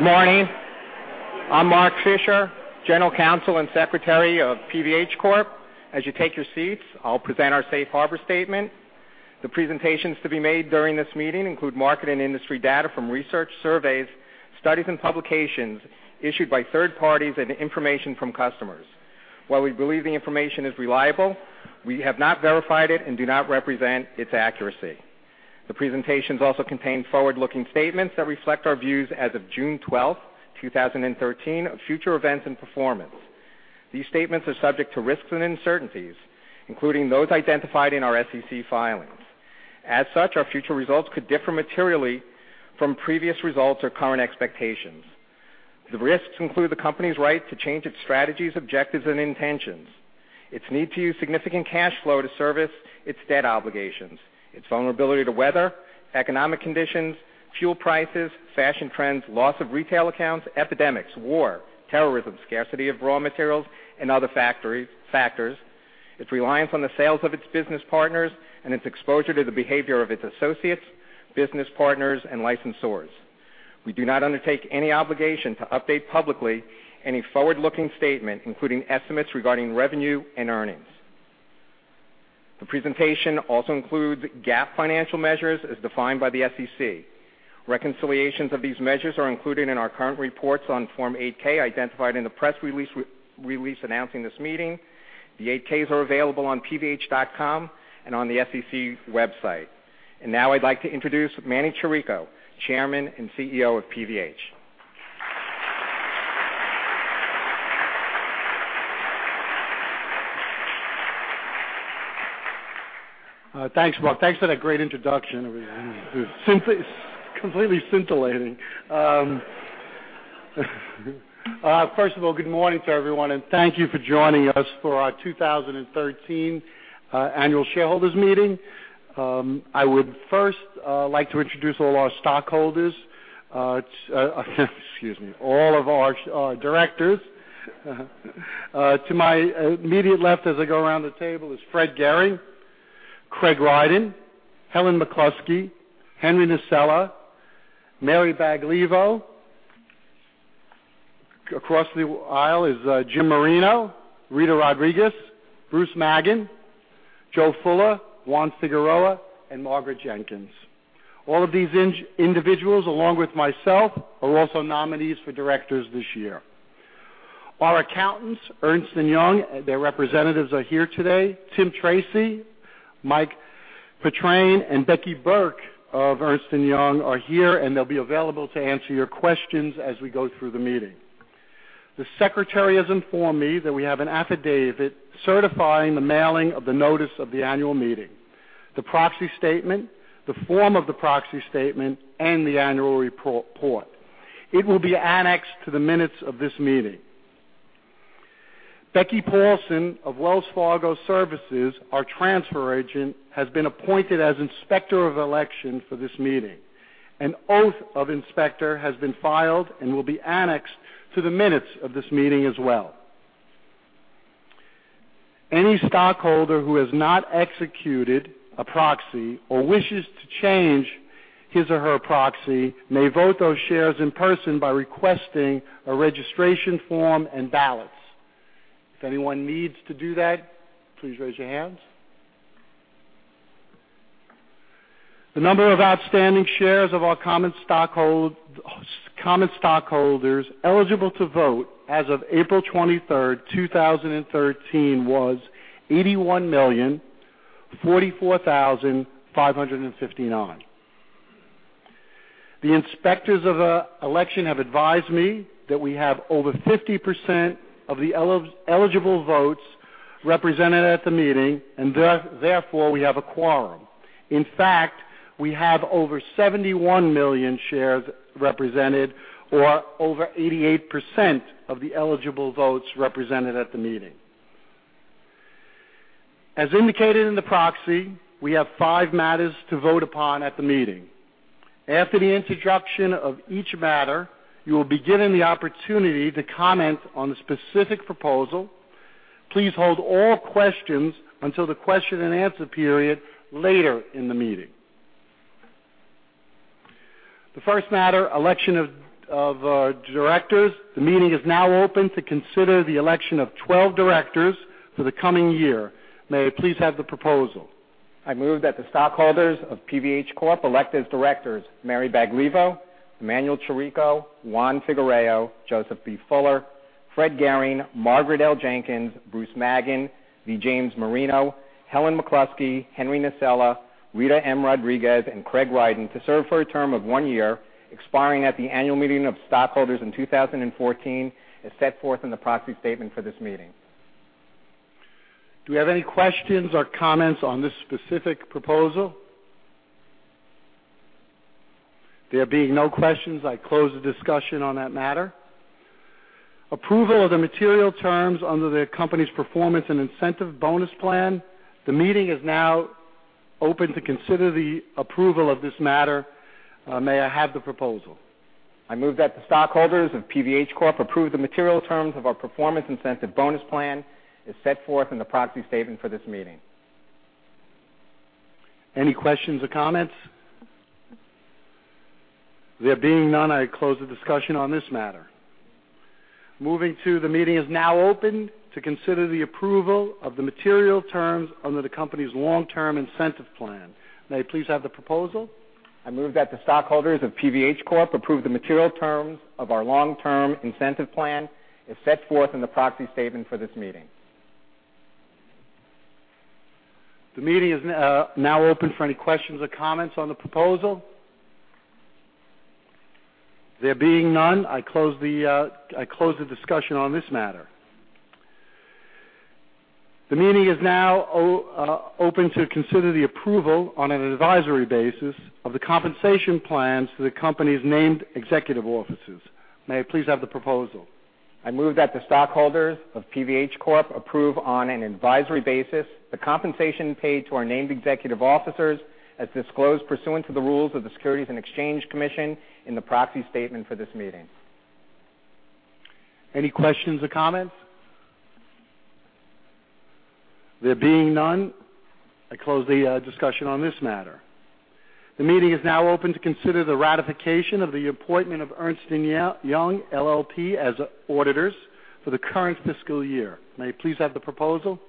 Good morning. I'm Mark D. Fischer, General Counsel and Secretary of PVH Corp. As you take your seats, I'll present our safe harbor statement. The presentations to be made during this meeting include market and industry data from research surveys, studies, and publications issued by third parties and information from customers. While we believe the information is reliable, we have not verified it and do not represent its accuracy. The presentations also contain forward-looking statements that reflect our views as of June 12th, 2013, of future events and performance. These statements are subject to risks and uncertainties, including those identified in our SEC filings. As such, our future results could differ materially from previous results or current expectations. The risks include the company's right to change its strategies, objectives, and intentions, its need to use significant cash flow to service its debt obligations, its vulnerability to weather, economic conditions, fuel prices, fashion trends, loss of retail accounts, epidemics, war, terrorism, scarcity of raw materials, and other factors. Its reliance on the sales of its business partners and its exposure to the behavior of its associates, business partners, and licensors. We do not undertake any obligation to update publicly any forward-looking statement, including estimates regarding revenue and earnings. The presentation also includes GAAP financial measures as defined by the SEC. Reconciliations of these measures are included in our current reports on Form 8-K identified in the press release announcing this meeting. The 8-Ks are available on pvh.com and on the SEC website. Now I'd like to introduce Manny Chirico, Chairman and CEO of PVH. Thanks, Mark. Thanks for that great introduction. It was completely scintillating. First of all, good morning to everyone, and thank you for joining us for our 2013 annual shareholders' meeting. I would first like to introduce all our stockholders. Excuse me, all of our directors. To my immediate left as I go around the table is Fred Gehring, Craig Rydin, Helen McCluskey, Henry Nasella, Mary Baglivo. Across the aisle is Jim Marino, Rita Rodriguez, Bruce Maggin, Joe Fuller, Juan Figuereo, and Margaret Jenkins. All of these individuals, along with myself, are also nominees for directors this year. Our accountants, Ernst & Young, their representatives are here today. Tim Tracy, Mike Patrane, and Becky Burke of Ernst & Young are here. They'll be available to answer your questions as we go through the meeting. The Secretary has informed me that we have an affidavit certifying the mailing of the notice of the annual meeting, the proxy statement, the form of the proxy statement, and the annual report. It will be annexed to the minutes of this meeting. Becky Paulson of Wells Fargo Services, our transfer agent, has been appointed as Inspector of Election for this meeting. An oath of Inspector has been filed and will be annexed to the minutes of this meeting as well. Any stockholder who has not executed a proxy or wishes to change his or her proxy may vote those shares in person by requesting a registration form and ballots. If anyone needs to do that, please raise your hands. The number of outstanding shares of our common stockholders eligible to vote as of April 23rd, 2013, was 81,044,559. The Inspectors of Election have advised me that we have over 50% of the eligible votes represented at the meeting, and therefore, we have a quorum. In fact, we have over 71 million shares represented or over 88% of the eligible votes represented at the meeting. As indicated in the proxy, we have five matters to vote upon at the meeting. After the introduction of each matter, you will be given the opportunity to comment on the specific proposal. Please hold all questions until the question and answer period later in the meeting. The first matter, election of our directors. The meeting is now open to consider the election of 12 directors for the coming year. May I please have the proposal? I move that the stockholders of PVH Corp. elect as directors Mary Baglivo, Emanuel Chirico, Juan Figuereo, Joseph B. Fuller, Fred Gehring, Margaret L. Jenkins, Bruce Maggin, V. James Marino, Helen McCluskey, Henry Nasella, Rita M. Rodriguez, and Craig Rydin to serve for a term of one year, expiring at the annual meeting of stockholders in 2014 as set forth in the proxy statement for this meeting. Do we have any questions or comments on this specific proposal? There being no questions, I close the discussion on that matter. Approval of the material terms under the company's performance and incentive bonus plan. The meeting is now open to consider the approval of this matter. May I have the proposal? I move that the stockholders of PVH Corp. approve the material terms of our performance incentive bonus plan as set forth in the proxy statement for this meeting. Any questions or comments? There being none, I close the discussion on this matter. Moving to the meeting is now open to consider the approval of the material terms under the company's long-term incentive plan. May I please have the proposal? I move that the stockholders of PVH Corp approve the material terms of our long-term incentive plan as set forth in the proxy statement for this meeting. The meeting is now open for any questions or comments on the proposal. There being none, I close the discussion on this matter. The meeting is now open to consider the approval on an advisory basis of the compensation plans for the company's named executive officers. May I please have the proposal? I move that the stockholders of PVH Corp approve on an advisory basis the compensation paid to our named executive officers as disclosed pursuant to the rules of the Securities and Exchange Commission in the proxy statement for this meeting. Any questions or comments? There being none, I close the discussion on this matter. The meeting is now open to consider the ratification of the appointment of Ernst & Young LLP as auditors for the current fiscal year. May I please have the proposal?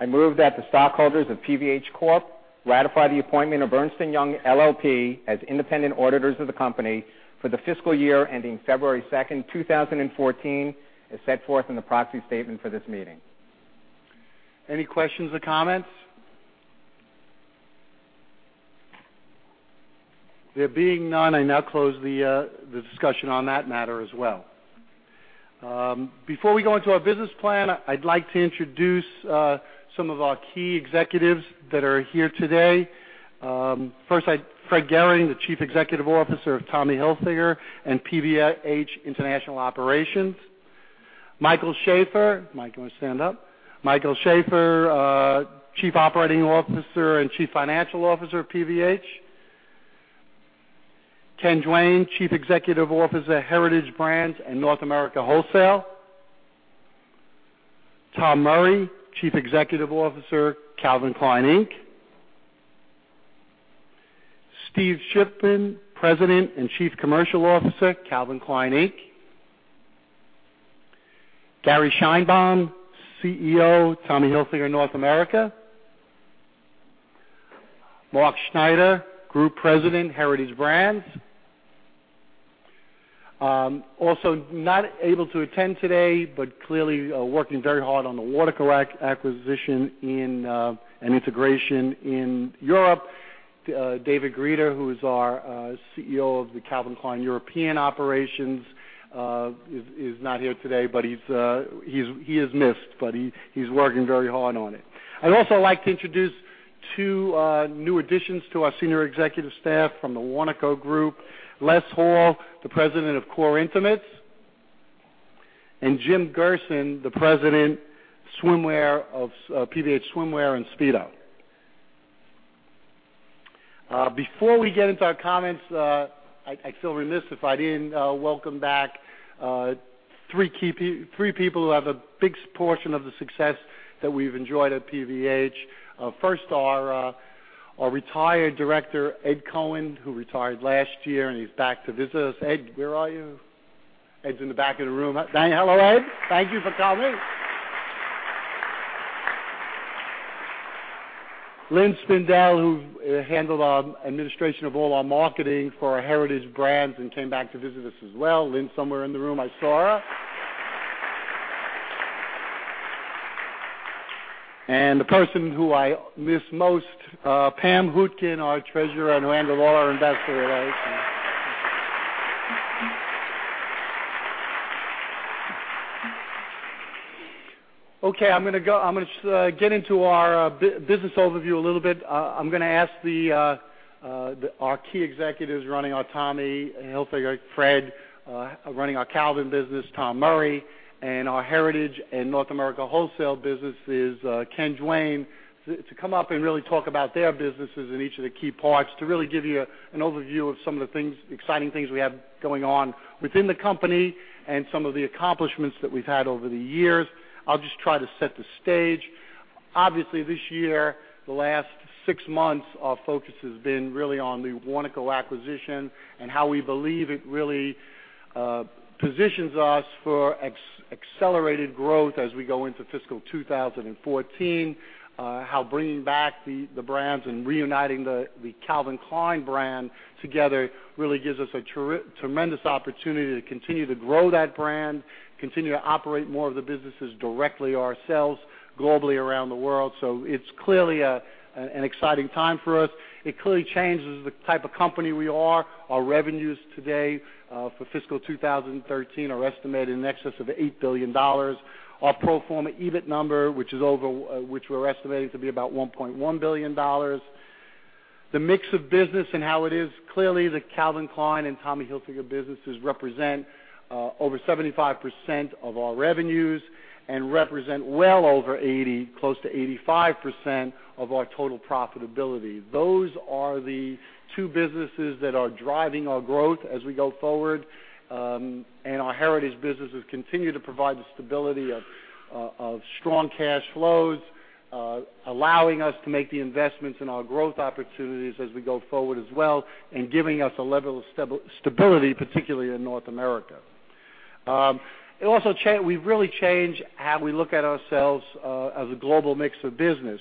I move that the stockholders of PVH Corp ratify the appointment of Ernst & Young LLP as independent auditors of the company for the fiscal year ending February 2nd, 2014, as set forth in the proxy statement for this meeting. Any questions or comments? There being none, I now close the discussion on that matter as well. Before we go into our business plan, I'd like to introduce some of our key executives that are here today. First, Fred Gehring, the Chief Executive Officer of Tommy Hilfiger and PVH International Operations. Michael Shaffer. Mike, you want to stand up? Michael Shaffer, Chief Operating Officer and Chief Financial Officer of PVH. Ken Duane, Chief Executive Officer, Heritage Brands and North America Wholesale. Tom Murry, Chief Executive Officer, Calvin Klein Inc. Steve Shiffman, President and Chief Commercial Officer, Calvin Klein Inc. Gary Sheinbaum, CEO, Tommy Hilfiger North America. Marc Schneider, Group President, Heritage Brands. Also not able to attend today, but clearly working very hard on the Warnaco acquisition and integration in Europe. Daniel Grieder, who is our CEO of the Calvin Klein European operations, is not here today, he is missed. He's working very hard on it. I'd also like to introduce two new additions to our senior executive staff from the Warnaco Group. Les Hall, the President of Core Intimates, and Jim Gerson, the President, Swimwear of PVH Swimwear and Speedo. Before we get into our comments, I'd feel remiss if I didn't welcome back three people who have a big portion of the success that we've enjoyed at PVH. First, our retired director, Ed Cohen, who retired last year, and he's back to visit us. Ed, where are you? Ed's in the back of the room. Hello, Ed. Thank you for coming. Lynn Spindel, who handled our administration of all our marketing for our Heritage Brands and came back to visit us as well. Lynn's somewhere in the room. I saw her. And the person who I miss most, Pam Hootkin, our Treasurer, and who handled all our investor relations. I'm gonna get into our business overview a little bit. I'm gonna ask our key executives running our Tommy Hilfiger, Fred. Running our Calvin business, Tom Murry. And our Heritage and North America Wholesale business is Ken Duane, to come up and really talk about their businesses in each of the key parts to really give you an overview of some of the exciting things we have going on within the company and some of the accomplishments that we've had over the years. I'll just try to set the stage. Obviously, this year, the last six months, our focus has been really on the Warnaco acquisition and how we believe it really positions us for accelerated growth as we go into fiscal 2014. How bringing back the brands and reuniting the Calvin Klein brand together really gives us a tremendous opportunity to continue to grow that brand, continue to operate more of the businesses directly ourselves globally around the world. It's clearly an exciting time for us. It clearly changes the type of company we are. Our revenues today for fiscal 2013 are estimated in excess of $8 billion. Our pro forma EBIT number, which we're estimating to be about $1.1 billion. The mix of business and how it is. Clearly, the Calvin Klein and Tommy Hilfiger businesses represent over 75% of our revenues and represent well over 80, close to 85% of our total profitability. Those are the two businesses that are driving our growth as we go forward. Our Heritage businesses continue to provide the stability of strong cash flows. Allowing us to make the investments in our growth opportunities as we go forward as well, and giving us a level of stability, particularly in North America. We've really changed how we look at ourselves as a global mix of business.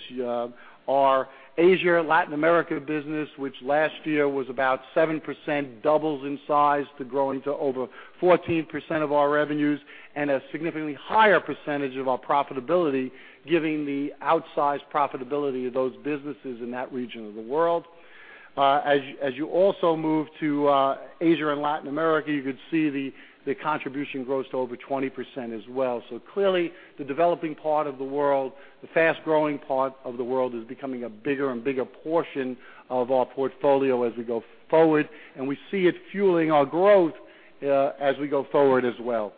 Our Asia, Latin America business, which last year was about 7%, doubles in size to grow into over 14% of our revenues and a significantly higher percentage of our profitability, giving the outsized profitability of those businesses in that region of the world. As you also move to Asia and Latin America, you could see the contribution grows to over 20% as well. Clearly, the developing part of the world, the fast-growing part of the world, is becoming a bigger and bigger portion of our portfolio as we go forward. We see it fueling our growth as we go forward as well.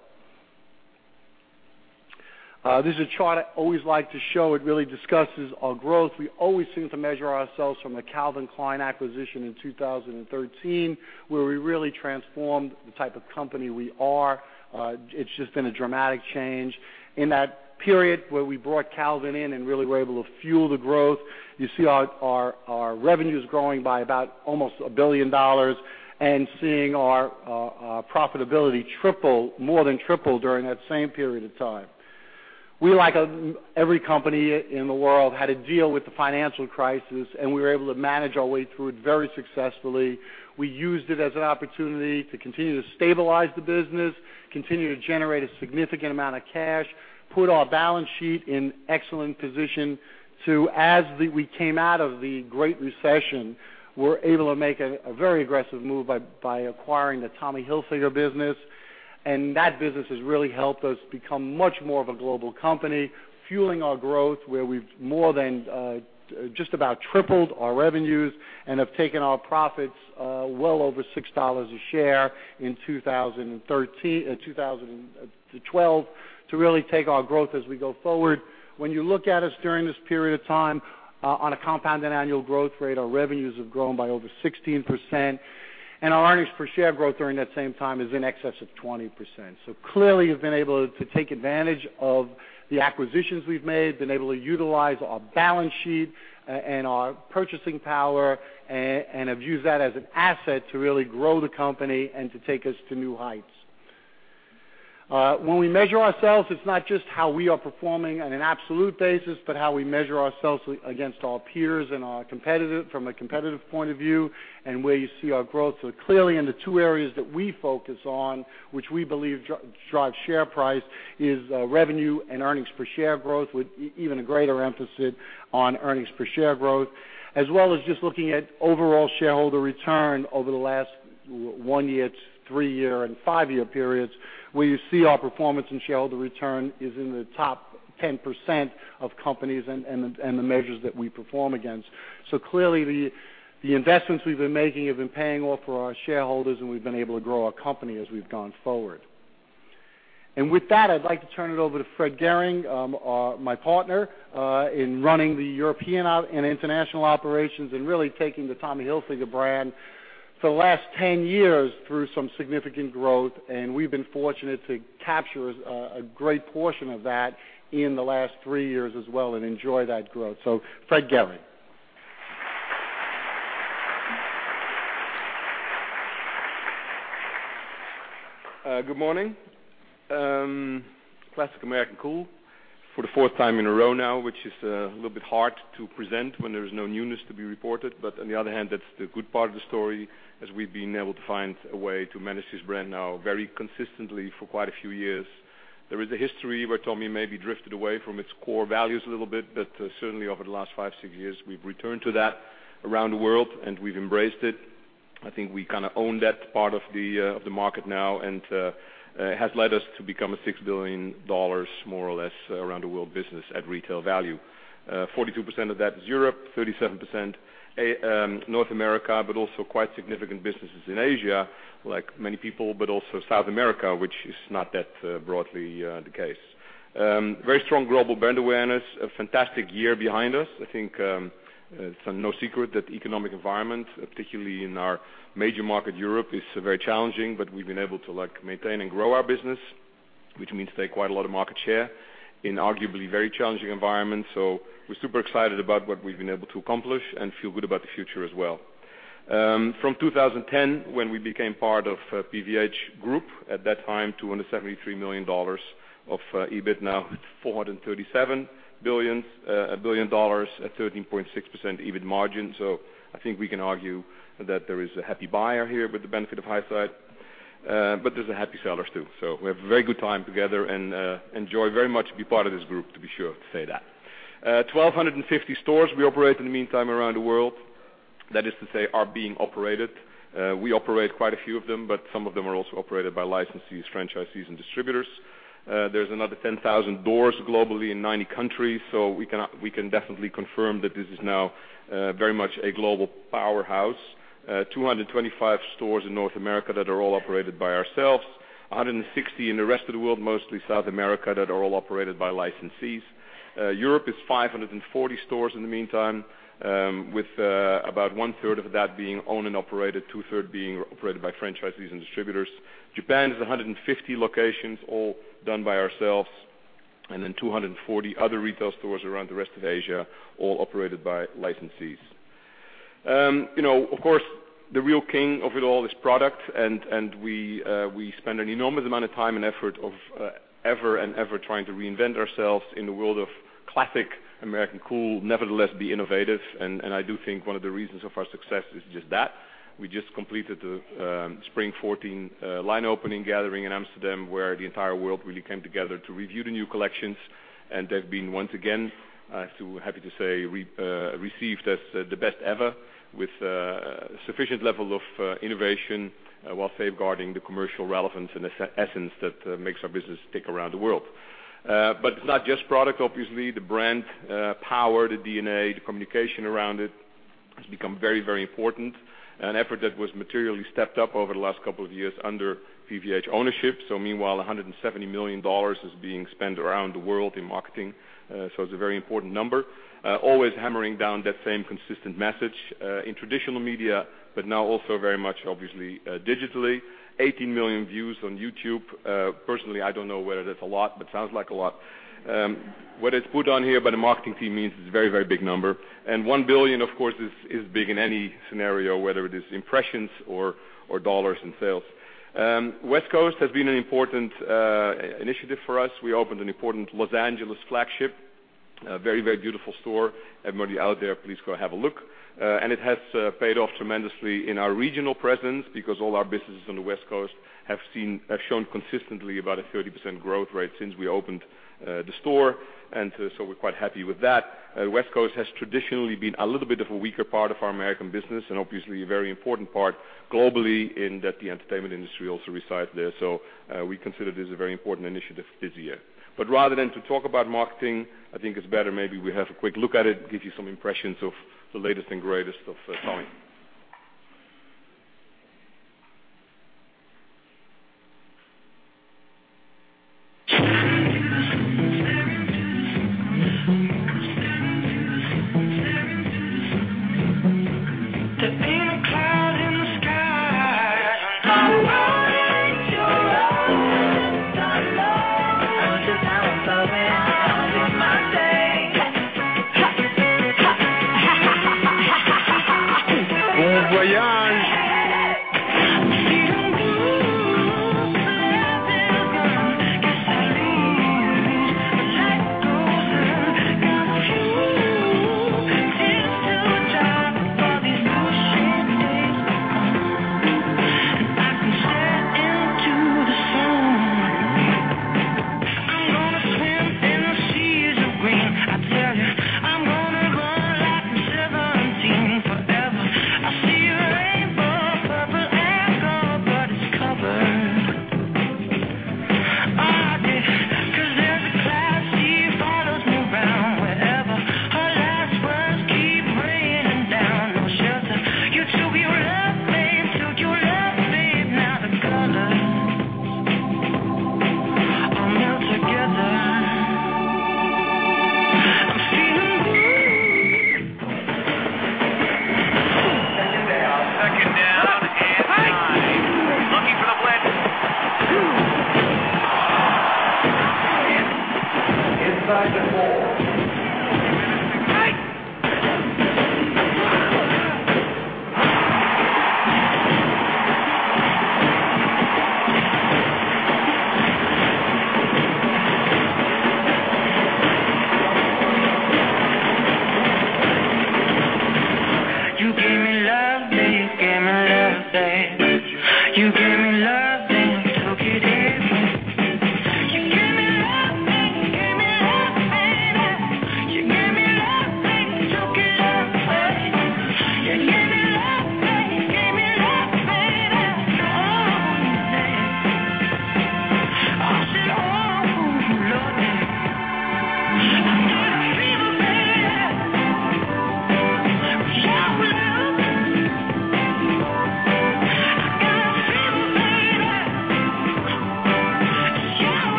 This is a chart I always like to show. It really discusses our growth. We always seem to measure ourselves from the Calvin Klein acquisition in 2013, where we really transformed the type of company we are. It's just been a dramatic change. In that period where we brought Calvin in and really were able to fuel the growth, you see our revenues growing by about almost $1 billion, and seeing our profitability more than triple during that same period of time. We, like every company in the world, had to deal with the financial crisis, and we were able to manage our way through it very successfully. We used it as an opportunity to continue to stabilize the business, continue to generate a significant amount of cash, put our balance sheet in excellent position to, as we came out of the Great Recession, were able to make a very aggressive move by acquiring the Tommy Hilfiger business. That business has really helped us become much more of a global company, fueling our growth where we've more than just about tripled our revenues and have taken our profits well over $6 a share in 2012 to really take our growth as we go forward. When you look at us during this period of time on a compounded annual growth rate, our revenues have grown by over 16%, and our earnings per share growth during that same time is in excess of 20%. Clearly, we've been able to take advantage of the acquisitions we've made, been able to utilize our balance sheet and our purchasing power, and have used that as an asset to really grow the company and to take us to new heights. When we measure ourselves, it's not just how we are performing on an absolute basis, but how we measure ourselves against our peers and from a competitive point of view and where you see our growth. Clearly, in the two areas that we focus on, which we believe drive share price, is revenue and earnings per share growth, with even a greater emphasis on earnings per share growth. As well as just looking at overall shareholder return over the last one year, three year, and five year periods, where you see our performance in shareholder return is in the top 10% of companies and the measures that we perform against. Clearly, the investments we've been making have been paying off for our shareholders, and we've been able to grow our company as we've gone forward. With that, I'd like to turn it over to Fred Gehring, my partner in running the European and international operations and really taking the Tommy Hilfiger brand for the last 10 years through some significant growth, and we've been fortunate to capture a great portion of that in the last three years as well and enjoy that growth. Fred Gehring. Good morning. Classic American cool for the fourth time in a row now, which is a little bit hard to present when there is no newness to be reported. On the other hand, that's the good part of the story, as we've been able to find a way to manage this brand now very consistently for quite a few years. There is a history where Tommy maybe drifted away from its core values a little bit, but certainly over the last five, six years, we've returned to that around the world, and we've embraced it. I think we kind of own that part of the market now, and it has led us to become a $6 billion, more or less, around the world business at retail value. 42% of that is Europe, 37% North America, also quite significant businesses in Asia, like many people, but also South America, which is not that broadly the case. Very strong global brand awareness. A fantastic year behind us. I think it's no secret that the economic environment, particularly in our major market, Europe, is very challenging, but we've been able to maintain and grow our business, which means take quite a lot of market share in arguably a very challenging environment. We're super excited about what we've been able to accomplish and feel good about the future as well. From 2010, when we became part of PVH Corp., at that time, $273 million of EBIT. Now it's $437 million at 13.6% EBIT margin. I think we can argue that there is a happy buyer here with the benefit of hindsight. There's a happy seller, too. We have a very good time together and enjoy very much to be part of this group, to be sure to say that. 1,250 stores we operate in the meantime around the world. That is to say, are being operated. We operate quite a few of them, but some of them are also operated by licensees, franchisees, and distributors. There's another 10,000 doors globally in 90 countries, so we can definitely confirm that this is now very much a global powerhouse. 225 stores in North America that are all operated by ourselves. 160 in the rest of the world, mostly South America, that are all operated by licensees. Europe is 540 stores in the meantime, with about one-third of that being owned and operated, two-third being operated by franchisees and distributors. Japan is 150 locations, all done by ourselves, then 240 other retail stores around the rest of Asia, all operated by licensees. The real king of it all is product, and we spend an enormous amount of time and effort of ever and ever trying to reinvent ourselves in the world of classic American cool, nevertheless, be innovative. I do think one of the reasons of our success is just that. We just completed the Spring 2014 line opening gathering in Amsterdam, where the entire world really came together to review the new collections. They've been, once again, so happy to say, received as the best ever, with sufficient level of innovation while safeguarding the commercial relevance and essence that makes our business tick around the world. It's not just product, obviously. The brand power, the DNA, the communication around it has become very important. An effort that was materially stepped up over the last couple of years under PVH Corp. ownership. Meanwhile, $170 million is being spent around the world in marketing. It's a very important number. Always hammering down that same consistent message, in traditional media, but now also very much obviously digitally. 18 million views on YouTube. Personally, I don't know whether that's a lot, but it sounds like a lot. What is put on here by the marketing team means it's a very big number. 1 billion, of course, is big in any scenario, whether it is impressions or dollars in sales. West Coast has been an important initiative for us. We opened an important Los Angeles flagship, a very beautiful store. Everybody out there, please go have a look. It has paid off tremendously in our regional presence because all our businesses on the West Coast have shown consistently about a 30% growth rate since we opened the store. We're quite happy with that. West Coast has traditionally been a little bit of a weaker part of our American business, and obviously a very important part globally in that the entertainment industry also resides there. We consider this a very important initiative this year. Rather than to talk about marketing, I think it's better maybe we have a quick look at it, give you some impressions of the latest and greatest of Tommy. Bon voyage. Second down. Second down and nine. Looking for the blitz. Inside the four. You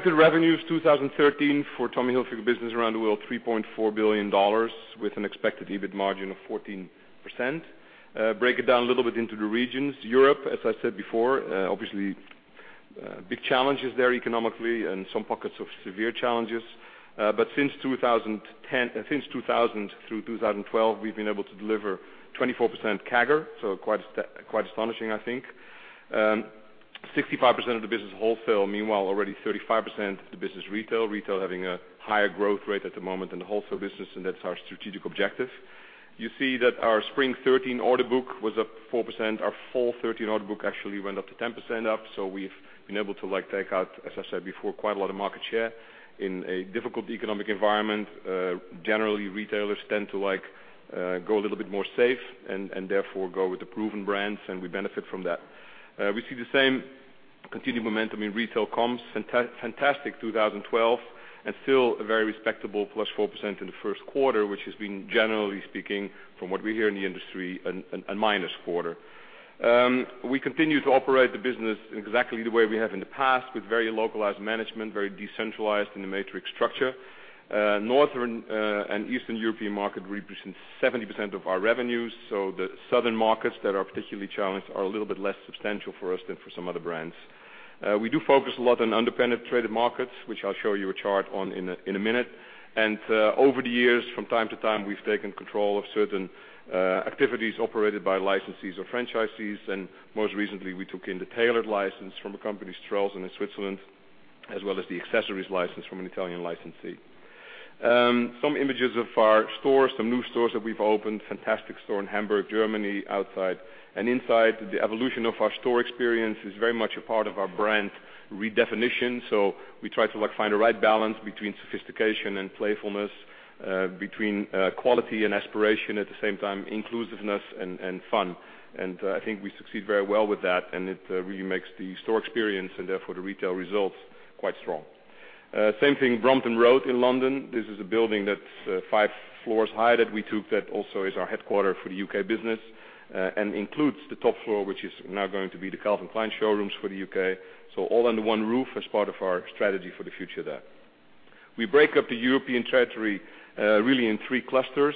I said, oh, yeah. I'm gonna feel, baby. Shout it out. I got a feeling, baby. Shout it out. Expected revenues 2013 for Tommy Hilfiger business around the world, $3.4 billion with an expected EBIT margin of 14%. Break it down a little bit into the regions. Europe, as I said before, obviously, big challenges there economically and some pockets of severe challenges. Since 2000 through 2012, we've been able to deliver 24% CAGR. Quite astonishing, I think. 65% of the business is wholesale. Meanwhile, already 35% of the business is retail. Retail having a higher growth rate at the moment than the wholesale business, and that's our strategic objective. You see that our spring '13 order book was up 4%. Our fall '13 order book actually went up to 10% up. We've been able to take out, as I said before, quite a lot of market share in a difficult economic environment. Generally, retailers tend to go a little bit more safe. Therefore go with the proven brands, and we benefit from that. We see the same continued momentum in retail comps. Fantastic 2012, still a very respectable +4% in the first quarter, which has been, generally speaking, from what we hear in the industry, a minus quarter. We continue to operate the business exactly the way we have in the past, with very localized management, very decentralized in the matrix structure. Northern and Eastern European market represents 70% of our revenues, the southern markets that are particularly challenged are a little bit less substantial for us than for some other brands. We do focus a lot on under-penetrated markets, which I'll show you a chart on in a minute. Over the years, from time to time, we've taken control of certain activities operated by licensees or franchisees. Most recently, we took in the tailored license from a company, Strellson, in Switzerland, as well as the accessories license from an Italian licensee. Some images of our stores, some new stores that we've opened. Fantastic store in Hamburg, Germany, outside and inside. The evolution of our store experience is very much a part of our brand redefinition. We try to find the right balance between sophistication and playfulness, between quality and aspiration, at the same time, inclusiveness and fun. I think we succeed very well with that, and it really makes the store experience, and therefore, the retail results, quite strong. Same thing, Brompton Road in London. This is a building that's five floors high that we took that also is our headquarter for the U.K. business, and includes the top floor, which is now going to be the Calvin Klein showrooms for the U.K. All under one roof as part of our strategy for the future there. We break up the European territory, really in three clusters.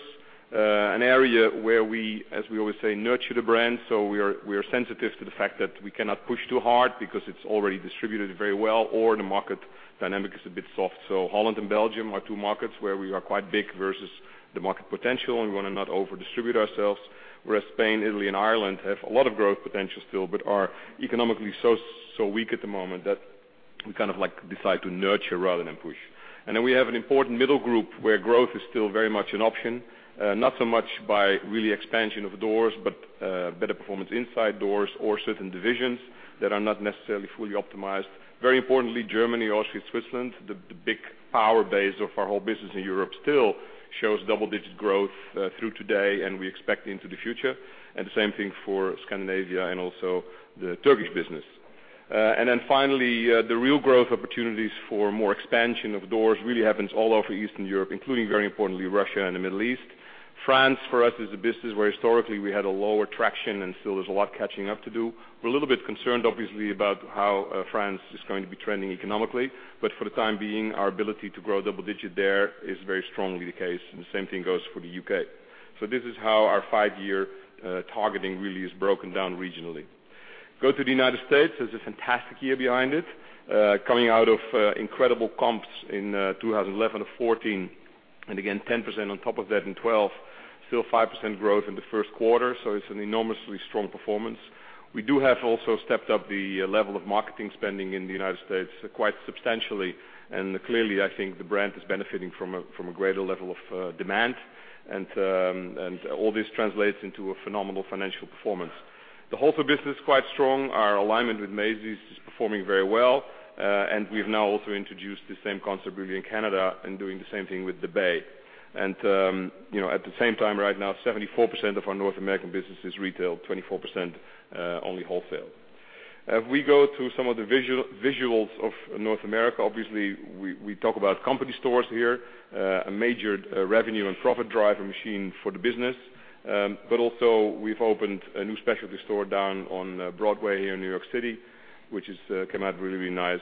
An area where we, as we always say, nurture the brand. We are sensitive to the fact that we cannot push too hard because it's already distributed very well or the market dynamic is a bit soft. Holland and Belgium are two markets where we are quite big versus the market potential, and we want to not over distribute ourselves. Whereas Spain, Italy, and Ireland have a lot of growth potential still, but are economically so weak at the moment that we kind of decide to nurture rather than push. We have an important middle group where growth is still very much an option, not so much by really expansion of doors, but, better performance inside doors or certain divisions that are not necessarily fully optimized. Very importantly, Germany, Austria, Switzerland, the big power base of our whole business in Europe still shows double-digit growth through today and we expect into the future. The same thing for Scandinavia and also the Turkish business. Finally, the real growth opportunities for more expansion of doors really happens all over Eastern Europe, including very importantly Russia and the Middle East. France for us is a business where historically we had a lower traction and still there's a lot of catching up to do. We're a little bit concerned, obviously, about how France is going to be trending economically. For the time being, our ability to grow double digit there is very strongly the case, and the same thing goes for the U.K. This is how our five-year targeting really is broken down regionally. Go to the United States, there's a fantastic year behind it, coming out of incredible comps in 2011 of 14, and again, 10% on top of that in 2012, still 5% growth in the first quarter. It's an enormously strong performance. We do have also stepped up the level of marketing spending in the United States quite substantially. Clearly, I think the brand is benefiting from a greater level of demand and all this translates into a phenomenal financial performance. The wholesale business is quite strong. Our alignment with Macy's is performing very well. We've now also introduced the same concept really in Canada and doing the same thing with The Bay. At the same time right now, 74% of our North American business is retail, 24% only wholesale. We go to some of the visuals of North America, obviously, we talk about company stores here. A major revenue and profit driver machine for the business. Also we've opened a new specialty store down on Broadway here in New York City, which has come out really nice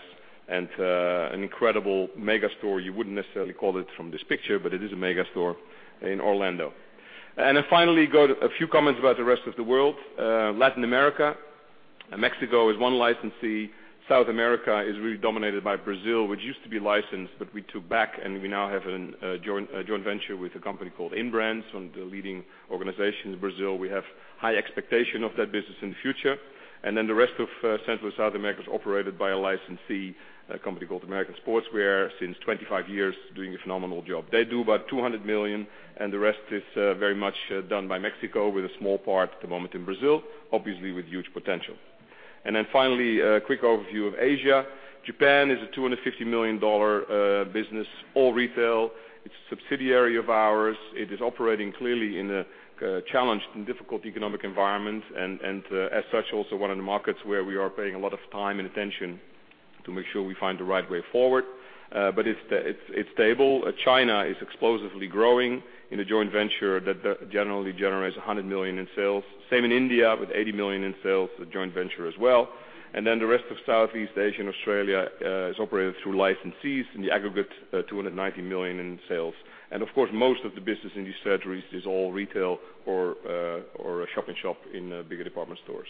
and an incredible mega store. You wouldn't necessarily call it from this picture, but it is a mega store in Orlando. Finally, a few comments about the rest of the world. Latin America. Mexico is one licensee. South America is really dominated by Brazil, which used to be licensed, but we took back, and we now have a joint venture with a company called Inbrands, one of the leading organizations in Brazil. We have high expectation of that business in the future. The rest of Central and South America is operated by a licensee, a company called American Sportswear since 25 years, doing a phenomenal job. They do about $200 million, and the rest is very much done by Mexico with a small part at the moment in Brazil, obviously with huge potential. Finally, a quick overview of Asia. Japan is a $250 million business. All retail. It's a subsidiary of ours. It is operating clearly in a challenged and difficult economic environment. As such, also one of the markets where we are paying a lot of time and attention to make sure we find the right way forward. It's stable. China is explosively growing in a joint venture that generally generates $100 million in sales. Same in India with $80 million in sales, a joint venture as well. The rest of Southeast Asia and Australia is operated through licensees in the aggregate, $290 million in sales. Of course, most of the business in these territories is all retail or a shop in shop in bigger department stores.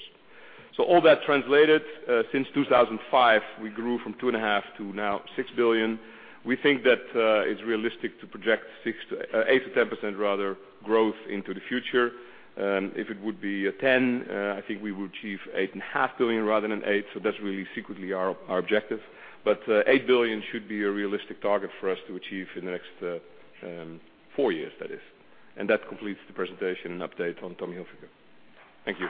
All that translated, since 2005, we grew from two and a half to now $6 billion. We think that it's realistic to project 8%-10% rather, growth into the future. If it would be 10, I think we would achieve eight and a half billion rather than $8 billion. That's really secretly our objective. $8 billion should be a realistic target for us to achieve in the next four years, that is. That completes the presentation and update on Tommy Hilfiger. Thank you.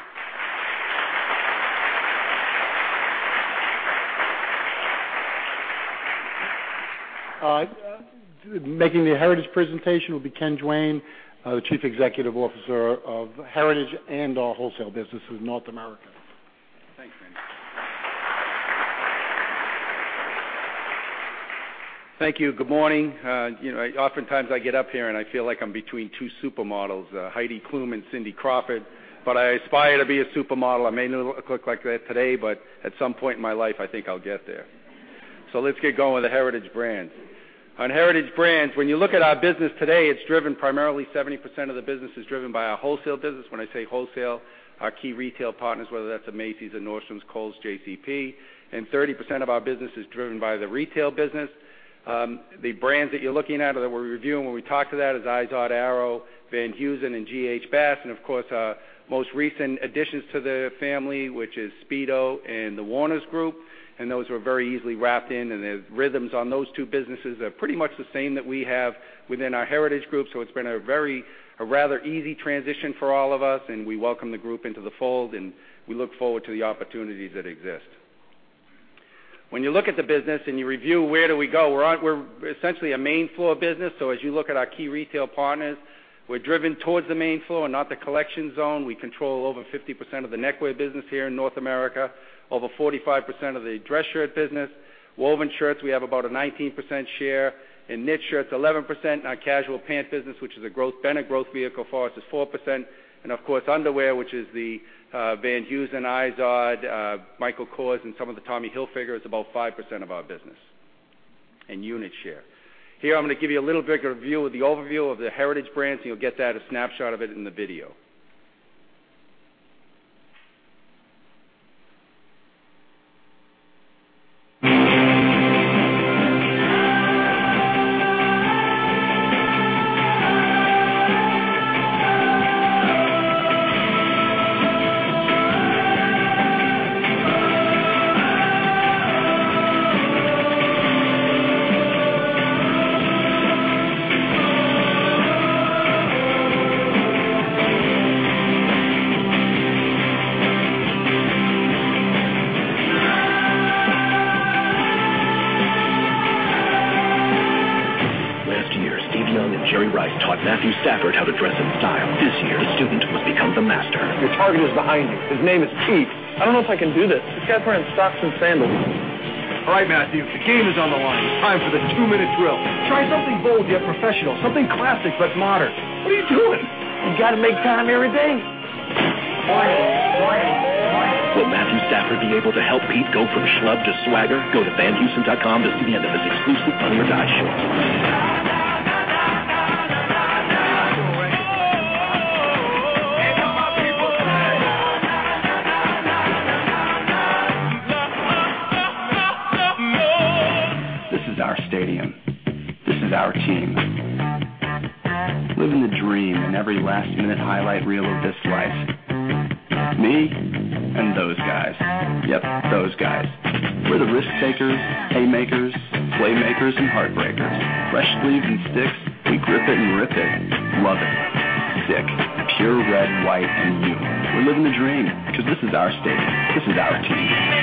Making the Heritage presentation will be Ken Duane, the Chief Executive Officer of Heritage and our wholesale business in North America. Thanks, Manny. Thank you. Good morning. Oftentimes I get up here, I feel like I'm between two supermodels, Heidi Klum and Cindy Crawford, but I aspire to be a supermodel. I may not look like that today, but at some point in my life, I think I'll get there. Let's get going with the Heritage Brands. On Heritage Brands, when you look at our business today, it's driven primarily, 70% of the business is driven by our wholesale business. When I say wholesale, our key retail partners, whether that's a Macy's, a Nordstrom, Kohl's, JCP. 30% of our business is driven by the retail business. The brands that you're looking at or that we're reviewing when we talk to that is Izod, Arrow, Van Heusen, and G.H. Bass, and of course, our most recent additions to the family, which is Speedo and the Warner's group. Those were very easily wrapped in, and the rhythms on those two businesses are pretty much the same that we have within our Heritage group. It's been a rather easy transition for all of us, and we welcome the group into the fold, and we look forward to the opportunities that exist. When you look at the business and you review where do we go? We're essentially a main-floor business. As you look at our key retail partners, we're driven towards the main floor and not the collection zone. We control over 50% of the neckwear business here in North America. Over 45% of the dress shirt business. Woven shirts, we have about a 19% share. In knit shirts, 11%. In our casual pant business, which has been a growth vehicle for us, is 4%. Of course, underwear, which is the Van Heusen, Izod, Michael Kors, and some of the Tommy Hilfiger, is about 5% of our business in unit share. I'm going to give you a little bit of a view of the overview of the Heritage Brands, and you'll get that, a snapshot of it in the video. sleeves and sticks. We grip it and rip it. Love it. Sick. Pure red, white, and you. We're living the dream because this is our stadium. This is our team.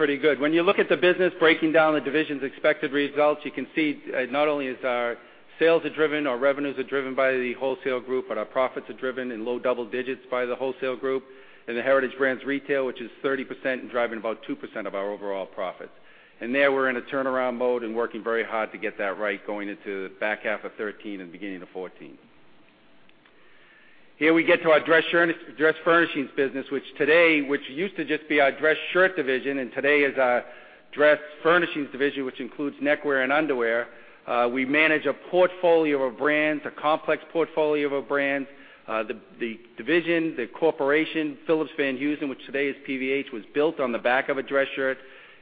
Thanks. Feels pretty good. When you look at the business, breaking down the division's expected results, you can see not only our sales are driven, our revenues are driven by the wholesale group, but our profits are driven in low double digits by the wholesale group. The Heritage Brands retail, which is 30% and driving about 2% of our overall profits. There, we're in a turnaround mode and working very hard to get that right going into the back half of 2013 and beginning of 2014. Here we get to our dress furnishings business, which used to just be our dress shirt division and today is our dress furnishings division, which includes neckwear and underwear. We manage a portfolio of brands, a complex portfolio of brands. The division, the corporation, Phillips-Van Heusen, which today is PVH, was built on the back of a dress shirt.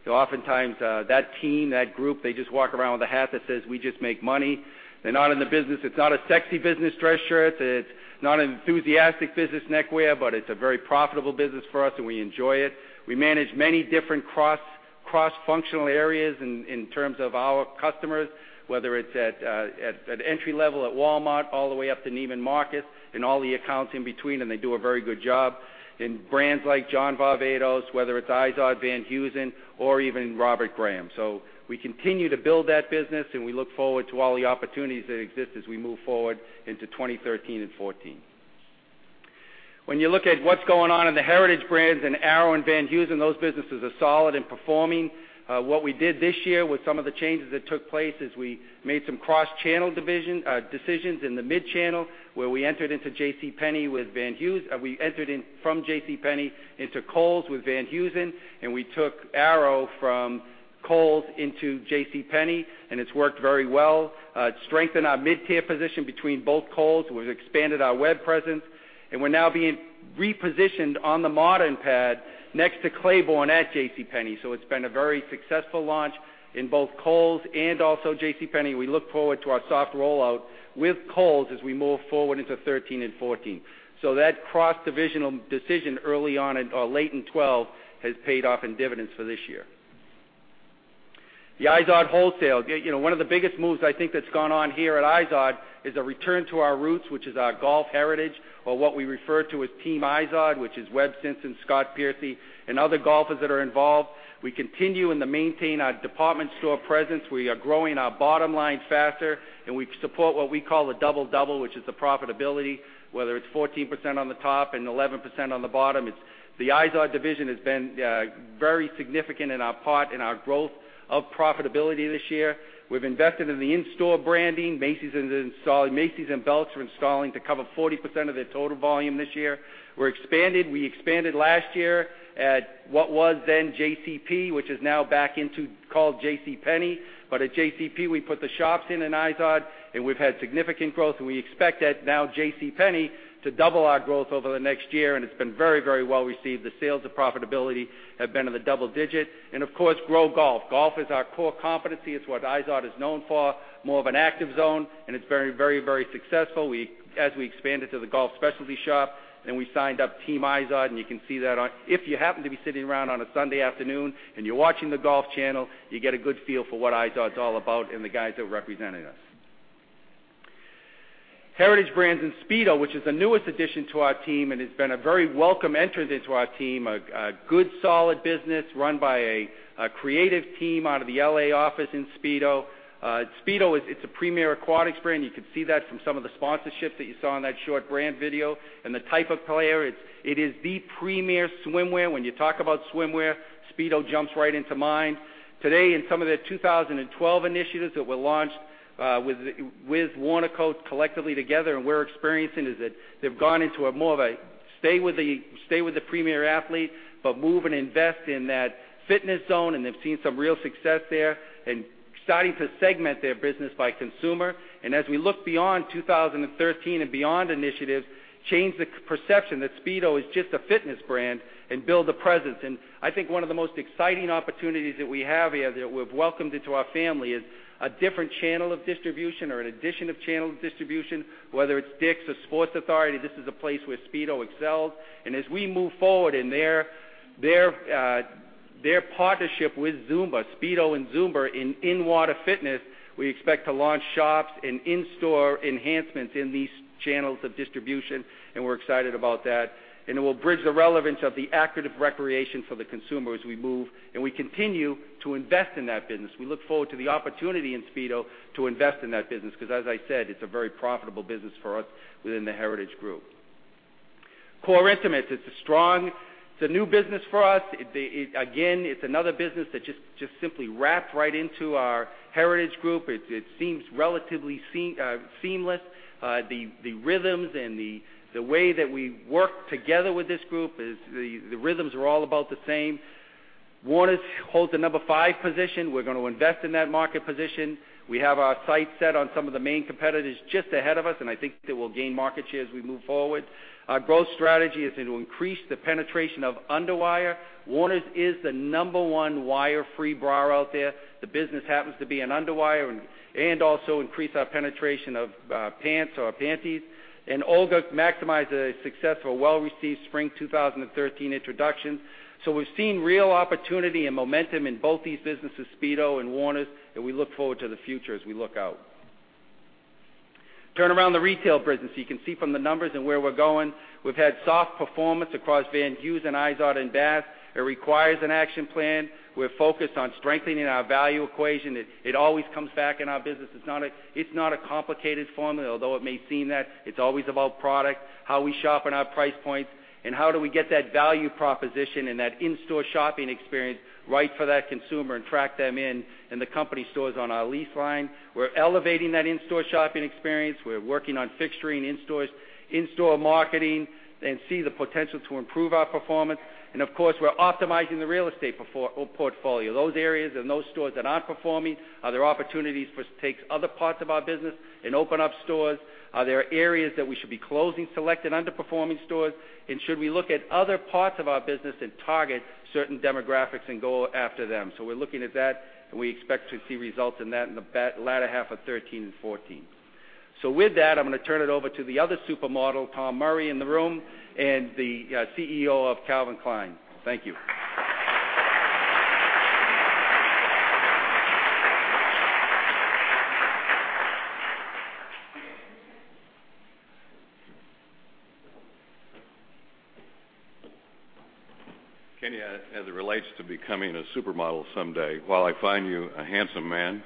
Oftentimes, that team, that group, they just walk around with a hat that says, "We just make money." They're not in the business. It's not a sexy business, dress shirts. It's not an enthusiastic business, neckwear, but it's a very profitable business for us, and we enjoy it. We manage many different cross-functional areas in terms of our customers, whether it's at entry level at Walmart, all the way up to Neiman Marcus and all the accounts in between, and they do a very good job. In brands like John Varvatos, whether it's Izod, Van Heusen, or even Robert Graham. We continue to build that business, and we look forward to all the opportunities that exist as we move forward into 2013 and 2014. When you look at what's going on in the Heritage Brands and Arrow and Van Heusen, those businesses are solid and performing. What we did this year with some of the changes that took place is we made some cross-channel decisions in the mid-channel, where we entered into JCPenney with Van Heusen. We entered in from JCPenney into Kohl's with Van Heusen, and we took Arrow from Kohl's into JCPenney, and it's worked very well. It strengthened our mid-tier position between both Kohl's. We've expanded our web presence, and we're now being repositioned on the modern pad next to Claiborne at JCPenney. It's been a very successful launch in both Kohl's and also JCPenney. We look forward to our soft rollout with Kohl's as we move forward into 2013 and 2014. That cross-divisional decision early on or late in 2012 has paid off in dividends for this year. The Izod wholesale. One of the biggest moves I think that's gone on here at Izod is a return to our roots, which is our golf heritage, or what we refer to as Team Izod, which is Webb Simpson, Scott Piercy, and other golfers that are involved. We continue to maintain our department store presence. We are growing our bottom line faster, and we support what we call a double-double, which is the profitability, whether it's 14% on the top and 11% on the bottom. The Izod division has been very significant in our growth of profitability this year. We've invested in the in-store branding. Macy's and Belk are installing to cover 40% of their total volume this year. We expanded last year at what was then JCP, which is now back into called JCPenney. At JCP, we put the shops in Izod, and we've had significant growth, and we expect that now JCPenney to double our growth over the next year, and it's been very, very well received. The sales and profitability have been in the double digits. Of course, grow golf. Golf is our core competency. It's what Izod is known for, more of an active zone, and it's very, very, very successful. As we expanded to the golf specialty shop and we signed up Team Izod, and you can see that on If you happen to be sitting around on a Sunday afternoon and you're watching the Golf Channel, you get a good feel for what Izod's all about and the guys that are representing us. Heritage Brands and Speedo, which is the newest addition to our team and has been a very welcome entrant into our team, a good, solid business run by a creative team out of the L.A. office in Speedo. Speedo, it's a premier aquatics brand. You can see that from some of the sponsorships that you saw in that short brand video and the type of player. It is the premier swimwear. When you talk about swimwear, Speedo jumps right into mind. Today, in some of their 2012 initiatives that were launched with Warner's collectively together, and we're experiencing is that they've gone into a more of a stay with the premier athlete, but move and invest in that fitness zone, and they've seen some real success there and starting to segment their business by consumer. As we look beyond 2013 and beyond initiatives, change the perception that Speedo is just a fitness brand and build a presence. I think one of the most exciting opportunities that we have here that we've welcomed into our family is a different channel of distribution or an addition of channel of distribution, whether it's Dick's or Sports Authority. This is a place where Speedo excels. As we move forward in their partnership with Zumba, Speedo and Zumba in water fitness, we expect to launch shops and in-store enhancements in these channels of distribution, and we're excited about that. It will bridge the relevance of the active recreation for the consumer as we move, and we continue to invest in that business. We look forward to the opportunity in Speedo to invest in that business because, as I said, it's a very profitable business for us within the Heritage Brands. Core Intimates. It's a new business for us. Again, it's another business that just simply wrapped right into our Heritage Brands. It seems relatively seamless. The rhythms and the way that we work together with this group, the rhythms are all about the same. Warner's holds the number 5 position. We're going to invest in that market position. We have our sights set on some of the main competitors just ahead of us, and I think that we'll gain market share as we move forward. Our growth strategy is to increase the penetration of underwire. Warner's is the number 1 wire-free bra out there. The business happens to be an underwire and also increase our penetration of pants or panties. Olga maximize a successful, well-received spring 2013 introduction. We're seeing real opportunity and momentum in both these businesses, Speedo and Warner's, and we look forward to the future as we look out. Turnaround the retail business. You can see from the numbers and where we're going. We've had soft performance across Van Heusen, Izod, and G.H. Bass. It requires an action plan. We're focused on strengthening our value equation. It always comes back in our business. It's not a complicated formula, although it may seem that. It's always about product, how we sharpen our price points, and how do we get that value proposition and that in-store shopping experience right for that consumer and track them in the company stores on our lease line. We're elevating that in-store shopping experience. We're working on fixturing in stores, in-store marketing and see the potential to improve our performance. Of course, we're optimizing the real estate portfolio. Those areas and those stores that aren't performing, are there opportunities for us to take other parts of our business and open up stores? Are there areas that we should be closing selected underperforming stores? Should we look at other parts of our business and target certain demographics and go after them? We're looking at that, and we expect to see results in that in the latter half of 2013 and 2014. With that, I'm going to turn it over to the other supermodel, Tom Murry, in the room and the CEO of Calvin Klein. Thank you. Kenny, as it relates to becoming a supermodel someday, while I find you a handsome man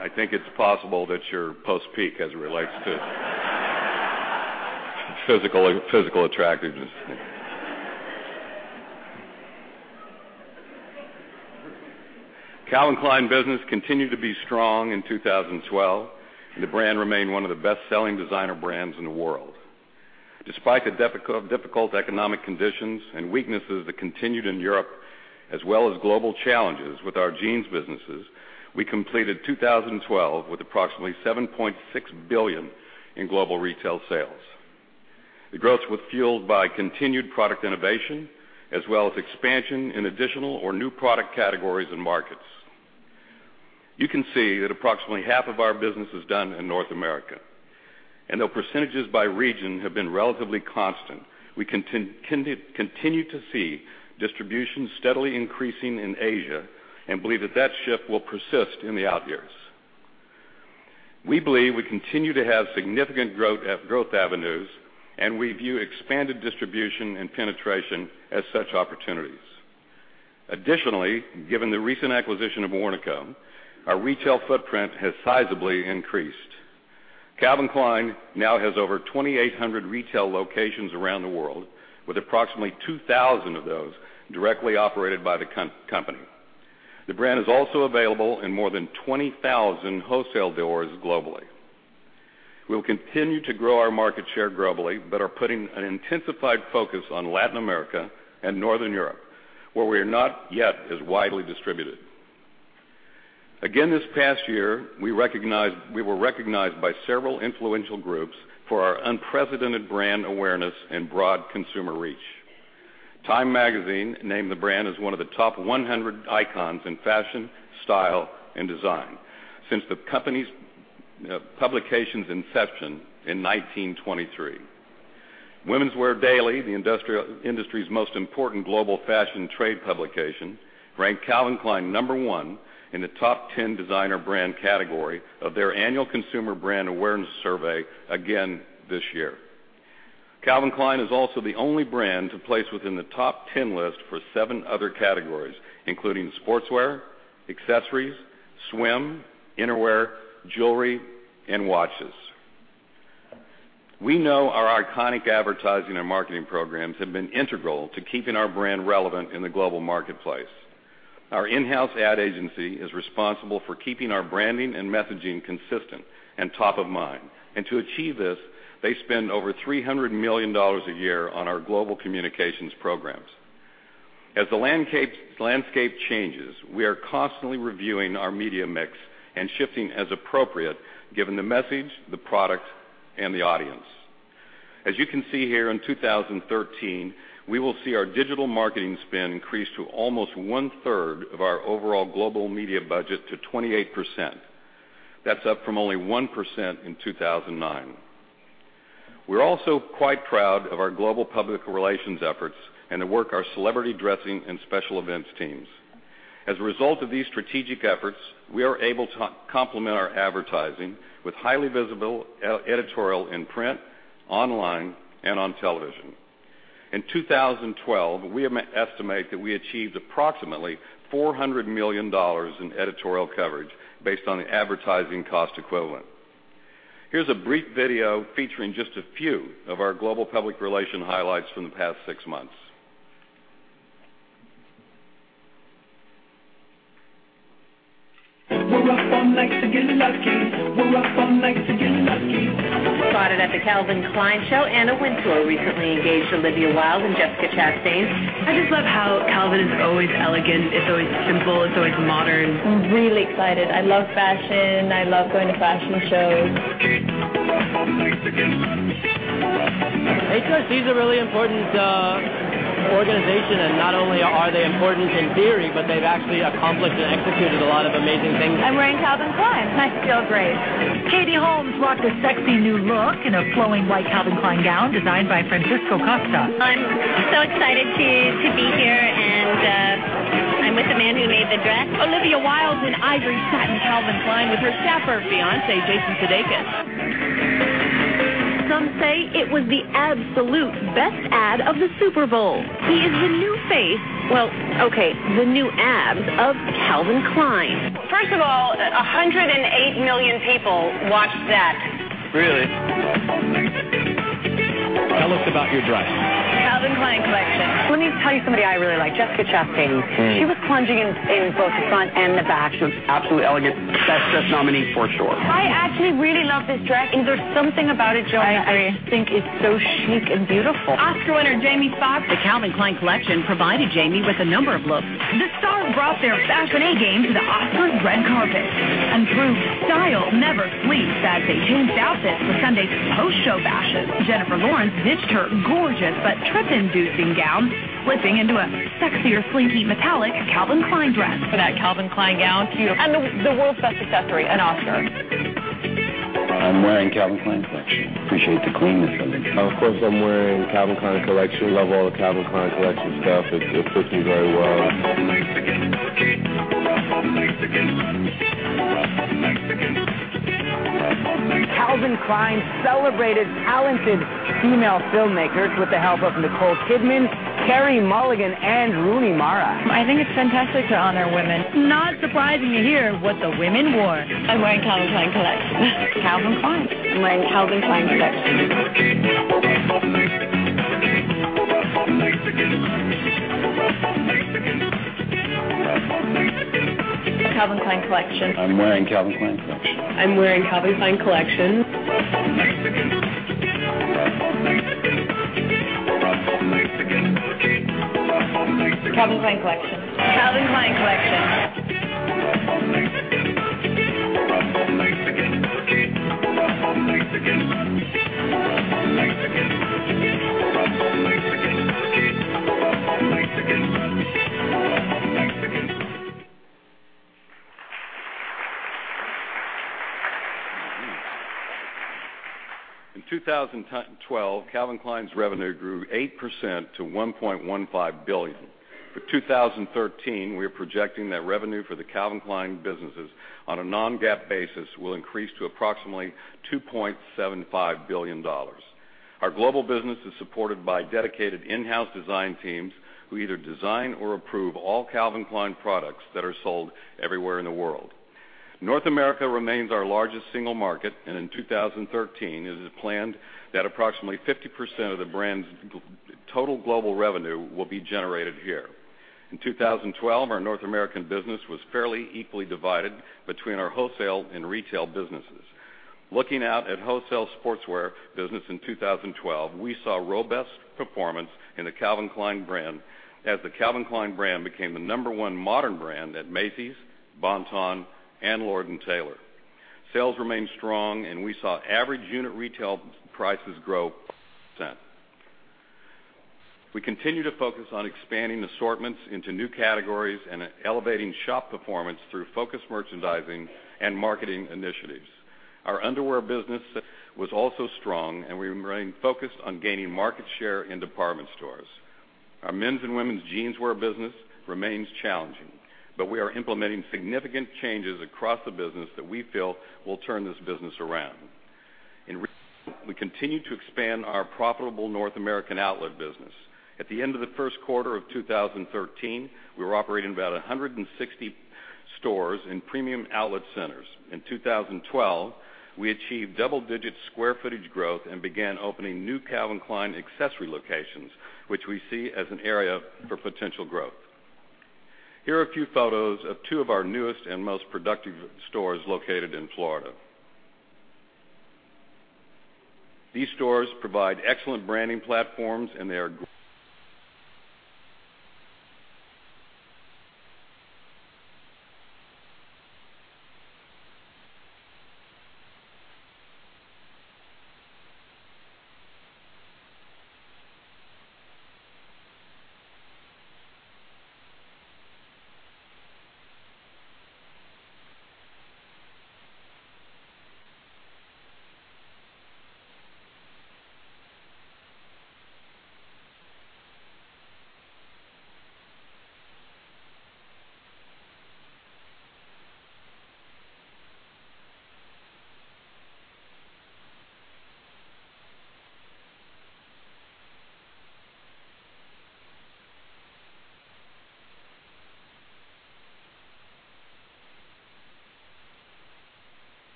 I think it's possible that you're post-peak, as it relates to physical attractiveness. Calvin Klein business continued to be strong in 2012. The brand remained one of the best-selling designer brands in the world. Despite the difficult economic conditions and weaknesses that continued in Europe, as well as global challenges with our jeans businesses, we completed 2012 with approximately $7.6 billion in global retail sales. The growth was fueled by continued product innovation, as well as expansion in additional or new product categories and markets. You can see that approximately half of our business is done in North America. Though percentages by region have been relatively constant, we continue to see distribution steadily increasing in Asia, and believe that that shift will persist in the out years. We believe we continue to have significant growth avenues. We view expanded distribution and penetration as such opportunities. Additionally, given the recent acquisition of Warnaco, our retail footprint has sizably increased. Calvin Klein now has over 2,800 retail locations around the world, with approximately 2,000 of those directly operated by the company. The brand is also available in more than 20,000 wholesale doors globally. We will continue to grow our market share globally, but are putting an intensified focus on Latin America and Northern Europe, where we are not yet as widely distributed. Again, this past year, we were recognized by several influential groups for our unprecedented brand awareness and broad consumer reach. Time magazine named the brand as one of the top 100 icons in fashion, style, and design since the publication's inception in 1923. Women's Wear Daily, the industry's most important global fashion trade publication, ranked Calvin Klein number 1 in the top 10 designer brand category of their annual consumer brand awareness survey again this year. Calvin Klein is also the only brand to place within the top 10 list for 7 other categories, including sportswear, accessories, swim, underwear, jewelry, and watches. We know our iconic advertising and marketing programs have been integral to keeping our brand relevant in the global marketplace. Our in-house ad agency is responsible for keeping our branding and messaging consistent and top of mind. To achieve this, they spend over $300 million a year on our global communications programs. As the landscape changes, we are constantly reviewing our media mix and shifting as appropriate, given the message, the product, and the audience. As you can see here, in 2013, we will see our digital marketing spend increase to almost one-third of our overall global media budget to 28%. That's up from only 1% in 2009. We're also quite proud of our global public relations efforts and the work our celebrity dressing and special events teams. As a result of these strategic efforts, we are able to complement our advertising with highly visible editorial in print, online, and on television. In 2012, we estimate that we achieved approximately $400 million in editorial coverage based on the advertising cost equivalent. Here's a brief video featuring just a few of our global public relation highlights from the past six months. We're up all night to get lucky. We're up all night to get lucky. Spotted at the Calvin Klein show, Anna Wintour, recently engaged Olivia Wilde, and Jessica Chastain. I just love how Calvin is always elegant. It's always simple. It's always modern. I'm really excited. I love fashion. I love going to fashion shows. We're up all night to get lucky. We're up all night. HRC is a really important organization, and not only are they important in theory, but they've actually accomplished and executed a lot of amazing things. I'm wearing Calvin Klein. I feel great. Katie Holmes rocked a sexy new look in a flowing white Calvin Klein gown designed by Francisco Costa. I'm so excited to be here, and I'm with the man who made the dress. Olivia Wilde in ivory satin Calvin Klein with her dapper fiancé, Jason Sudeikis. Some say it was the absolute best ad of the Super Bowl. He is well, okay, the new abs of Calvin Klein. First of all, 108 million people watched that. Really? We're up all night to get lucky. Tell us about your dress. Calvin Klein Collection. Let me tell you somebody I really like, Jessica Chastain. She was plunging in both the front and the back. She was absolutely elegant. Best dressed nominee for sure. I actually really love this dress. There's something about it, Joey. I think it's so chic and beautiful. Oscar winner Jamie Foxx. The Calvin Klein Collection provided Jamie with a number of looks. The stars brought their fashion A-game to the Oscars red carpet, and proved style never sleeps as they changed outfits for Sunday's post-show bashes. Jennifer Lawrence ditched her gorgeous but trip-inducing gown, slipping into a sexier, slinky metallic Calvin Klein dress. For that Calvin Klein gown. Cute. The world's best accessory, an Oscar. I'm wearing Calvin Klein Collection. Appreciate the cleanliness of it. Of course, I'm wearing Calvin Klein Collection. Love all the Calvin Klein Collection stuff. It fits me very well. We're up all night to get lucky. Calvin Klein celebrated talented female filmmakers with the help of Nicole Kidman, Carey Mulligan, and Rooney Mara. I think it's fantastic to honor women. Not surprising to hear what the women wore. I'm wearing Calvin Klein Collection. Calvin Klein. I'm wearing Calvin Klein Collection. Calvin Klein Collection. I'm wearing Calvin Klein Collection. I'm wearing Calvin Klein Collection. Calvin Klein Collection. Calvin Klein Collection. In 2012, Calvin Klein's revenue grew 8% to $1.15 billion. For 2013, we are projecting that revenue for the Calvin Klein businesses on a non-GAAP basis will increase to approximately $2.75 billion. Our global business is supported by dedicated in-house design teams who either design or approve all Calvin Klein products that are sold everywhere in the world. North America remains our largest single market, and in 2013, it is planned that approximately 50% of the brand's total global revenue will be generated here. In 2012, our North American business was fairly equally divided between our wholesale and retail businesses. Looking out at wholesale sportswear business in 2012, we saw robust performance in the Calvin Klein brand as the Calvin Klein brand became the number one modern brand at Macy's, Bon-Ton, and Lord & Taylor. Sales remained strong, and we saw average unit retail prices grow 10%. We continue to focus on expanding assortments into new categories and elevating shop performance through focused merchandising and marketing initiatives. Our underwear business was also strong, and we remain focused on gaining market share in department stores. We are implementing significant changes across the business that we feel will turn this business around. In retail, we continue to expand our profitable North American outlet business. At the end of the first quarter of 2013, we were operating about 160 stores in premium outlet centers. In 2012, we achieved double-digit square footage growth and began opening new Calvin Klein accessory locations, which we see as an area for potential growth. Here are a few photos of two of our newest and most productive stores located in Florida. These stores provide excellent branding platforms, and they are.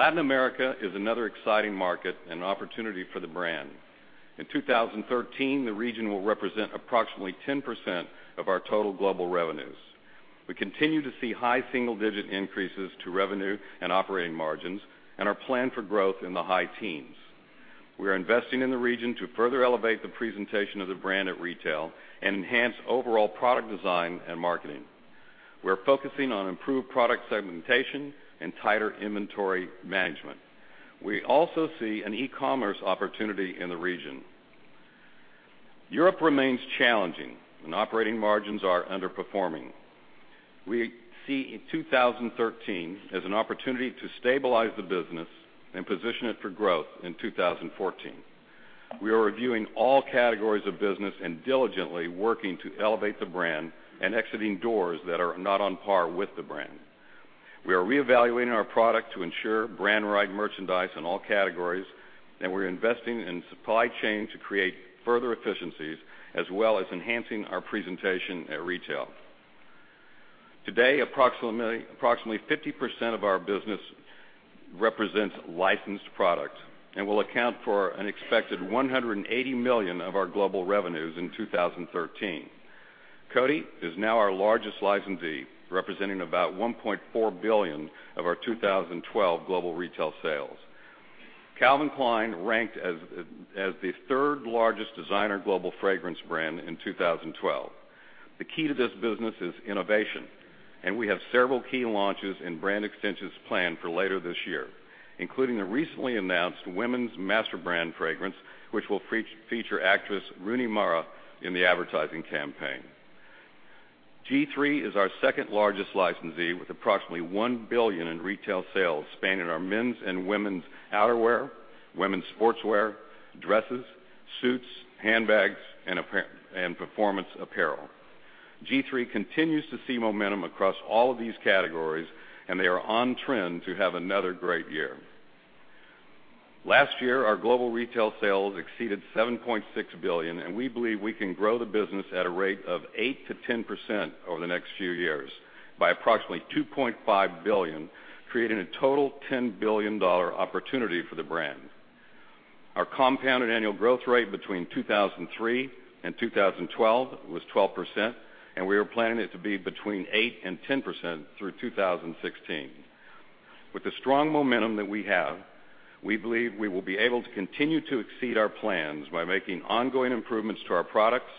Latin America is another exciting market and opportunity for the brand. In 2013, the region will represent approximately 10% of our total global revenues. We continue to see high single-digit increases to revenue and operating margins and our plan for growth in the high teens. We are investing in the region to further elevate the presentation of the brand at retail and enhance overall product design and marketing. We're focusing on improved product segmentation and tighter inventory management. We also see an e-commerce opportunity in the region. Europe remains challenging and operating margins are underperforming. We see in 2013 as an opportunity to stabilize the business and position it for growth in 2014. We are reviewing all categories of business and diligently working to elevate the brand and exiting doors that are not on par with the brand. We are reevaluating our product to ensure brand right merchandise in all categories, as well as enhancing our presentation at retail. We're investing in supply chain to create further efficiencies. Today, approximately 50% of our business represents licensed products and will account for an expected $180 million of our global revenues in 2013. Coty is now our largest licensee, representing about $1.4 billion of our 2012 global retail sales. Calvin Klein ranked as the third-largest designer global fragrance brand in 2012. The key to this business is innovation. We have several key launches and brand extensions planned for later this year, including the recently announced women's master brand fragrance, which will feature actress Rooney Mara in the advertising campaign. G-III is our second-largest licensee with approximately one billion in retail sales spanning our men's and women's outerwear, women's sportswear, dresses, suits, handbags, and performance apparel. G-III continues to see momentum across all of these categories. They are on trend to have another great year. Last year, our global retail sales exceeded $7.6 billion. We believe we can grow the business at a rate of 8%-10% over the next few years by approximately $2.5 billion, creating a total $10 billion opportunity for the brand. Our compounded annual growth rate between 2003 and 2012 was 12%. We are planning it to be between 8% and 10% through 2016. With the strong momentum that we have, we believe we will be able to continue to exceed our plans by making ongoing improvements to our products,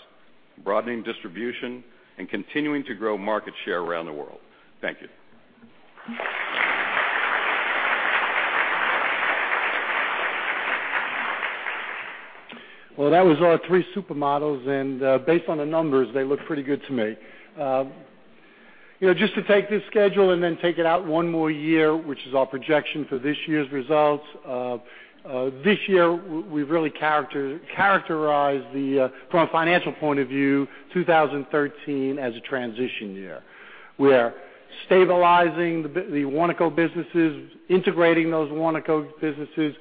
broadening distribution, continuing to grow market share around the world. Thank you. Well, that was our three supermodels, and based on the numbers, they look pretty good to me. Just to take this schedule and then take it out one more year, which is our projection for this year's results. This year, we've really characterized, from a financial point of view, 2013 as a transition year. We are stabilizing the Warnaco businesses, integrating those Warnaco businesses,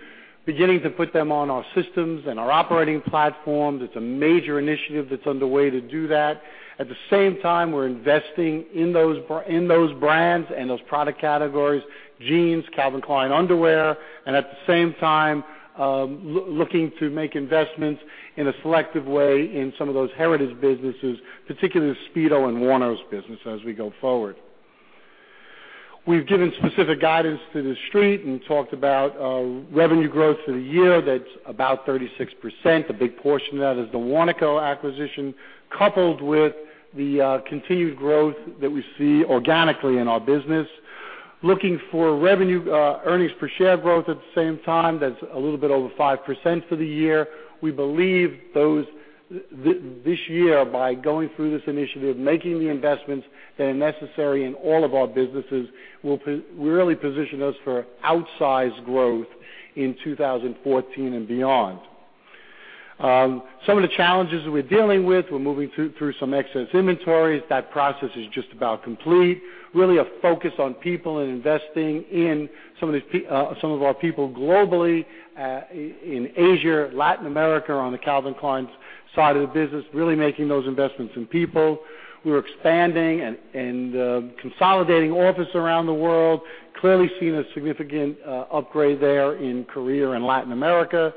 beginning to put them on our systems and our operating platforms. It's a major initiative that's underway to do that. At the same time, we're investing in those brands and those product categories, jeans, Calvin Klein underwear, and at the same time, looking to make investments in a selective way in some of those Heritage Brands businesses, particularly the Speedo and Warner's business as we go forward. We've given specific guidance to The Street and talked about revenue growth for the year. That's about 36%. A big portion of that is the Warnaco acquisition, coupled with the continued growth that we see organically in our business. Looking for revenue earnings per share growth at the same time, that's a little bit over 5% for the year. We believe this year, by going through this initiative, making the investments that are necessary in all of our businesses, will really position us for outsized growth in 2014 and beyond. Some of the challenges that we're dealing with, we're moving through some excess inventories. That process is just about complete. Really a focus on people and investing in some of our people globally, in Asia, Latin America, on the Calvin Klein side of the business, really making those investments in people. We're expanding and consolidating office around the world. We've clearly seen a significant upgrade there in Korea and Latin America.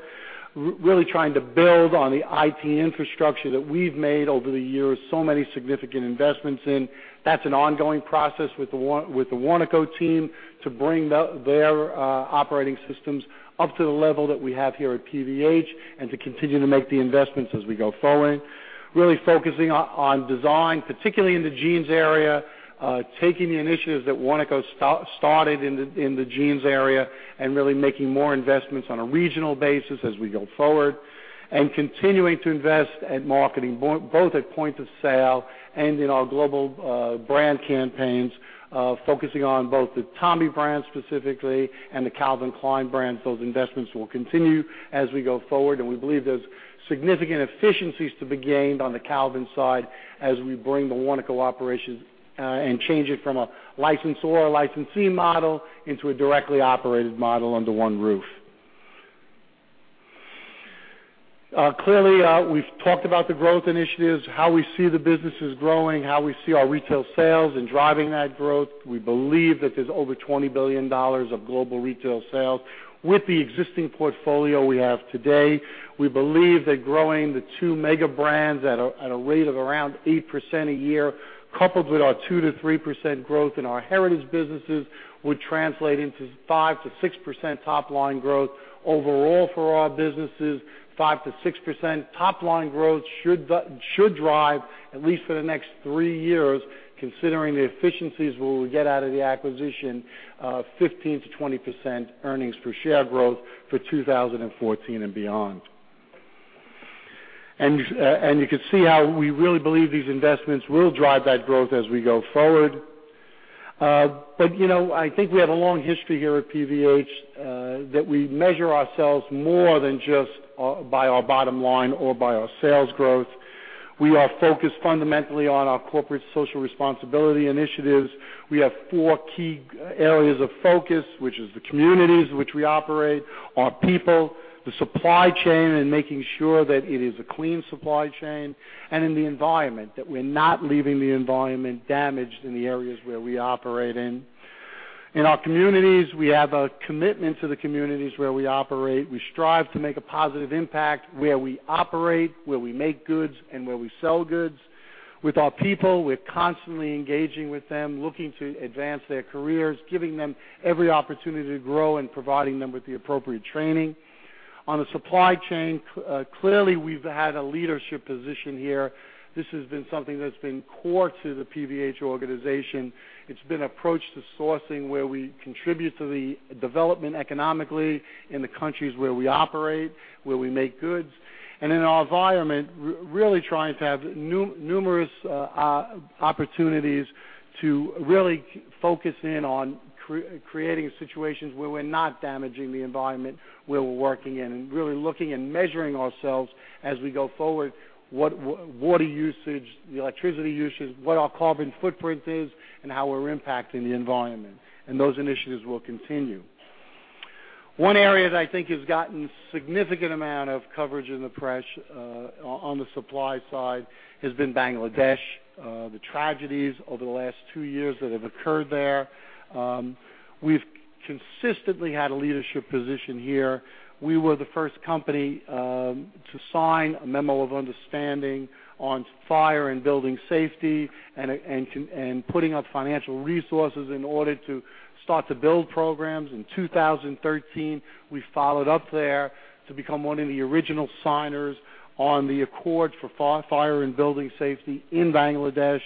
We're really trying to build on the IT infrastructure that we've made over the years, so many significant investments in. That's an ongoing process with the Warnaco team to bring their operating systems up to the level that we have here at PVH and to continue to make the investments as we go forward. We're really focusing on design, particularly in the jeans area, taking the initiatives that Warnaco started in the jeans area and really making more investments on a regional basis as we go forward. Continuing to invest at marketing, both at point of sale and in our global brand campaigns, focusing on both the Tommy brand specifically and the Calvin Klein brand. Those investments will continue as we go forward. We believe there's significant efficiencies to be gained on the Calvin side as we bring the Warnaco operations and change it from a license or a licensee model into a directly operated model under one roof. Clearly, we've talked about the growth initiatives, how we see the businesses growing, how we see our retail sales and driving that growth. We believe that there's over $20 billion of global retail sales. With the existing portfolio we have today, we believe that growing the two mega brands at a rate of around 8% a year, coupled with our 2%-3% growth in our Heritage Brands businesses, would translate into 5%-6% top-line growth overall for our businesses. 5%-6% top-line growth should drive, at least for the next three years, considering the efficiencies we will get out of the acquisition, 15%-20% earnings per share growth for 2014 and beyond. You can see how we really believe these investments will drive that growth as we go forward. I think we have a long history here at PVH that we measure ourselves more than just by our bottom line or by our sales growth. We are focused fundamentally on our corporate social responsibility initiatives. We have four key areas of focus, which is the communities in which we operate, our people, the supply chain, and making sure that it is a clean supply chain, and in the environment, that we're not leaving the environment damaged in the areas where we operate in. In our communities, we have a commitment to the communities where we operate. We strive to make a positive impact where we operate, where we make goods, and where we sell goods. With our people, we're constantly engaging with them, looking to advance their careers, giving them every opportunity to grow, and providing them with the appropriate training. On the supply chain, clearly, we've had a leadership position here. This has been something that's been core to the PVH organization. It's been approached to sourcing where we contribute to the development economically in the countries where we operate, where we make goods. In our environment, really trying to have numerous opportunities to really focus in on creating situations where we're not damaging the environment where we're working in, really looking and measuring ourselves as we go forward, water usage, the electricity usage, what our carbon footprint is, and how we're impacting the environment. Those initiatives will continue. One area that I think has gotten significant amount of coverage in the press on the supply side has been Bangladesh. The tragedies over the last two years that have occurred there. We've consistently had a leadership position here. We were the first company to sign a memo of understanding on fire and building safety and putting up financial resources in order to start to build programs. In 2013, we followed up there to become one of the original signers on the Accord for Fire and Building Safety in Bangladesh.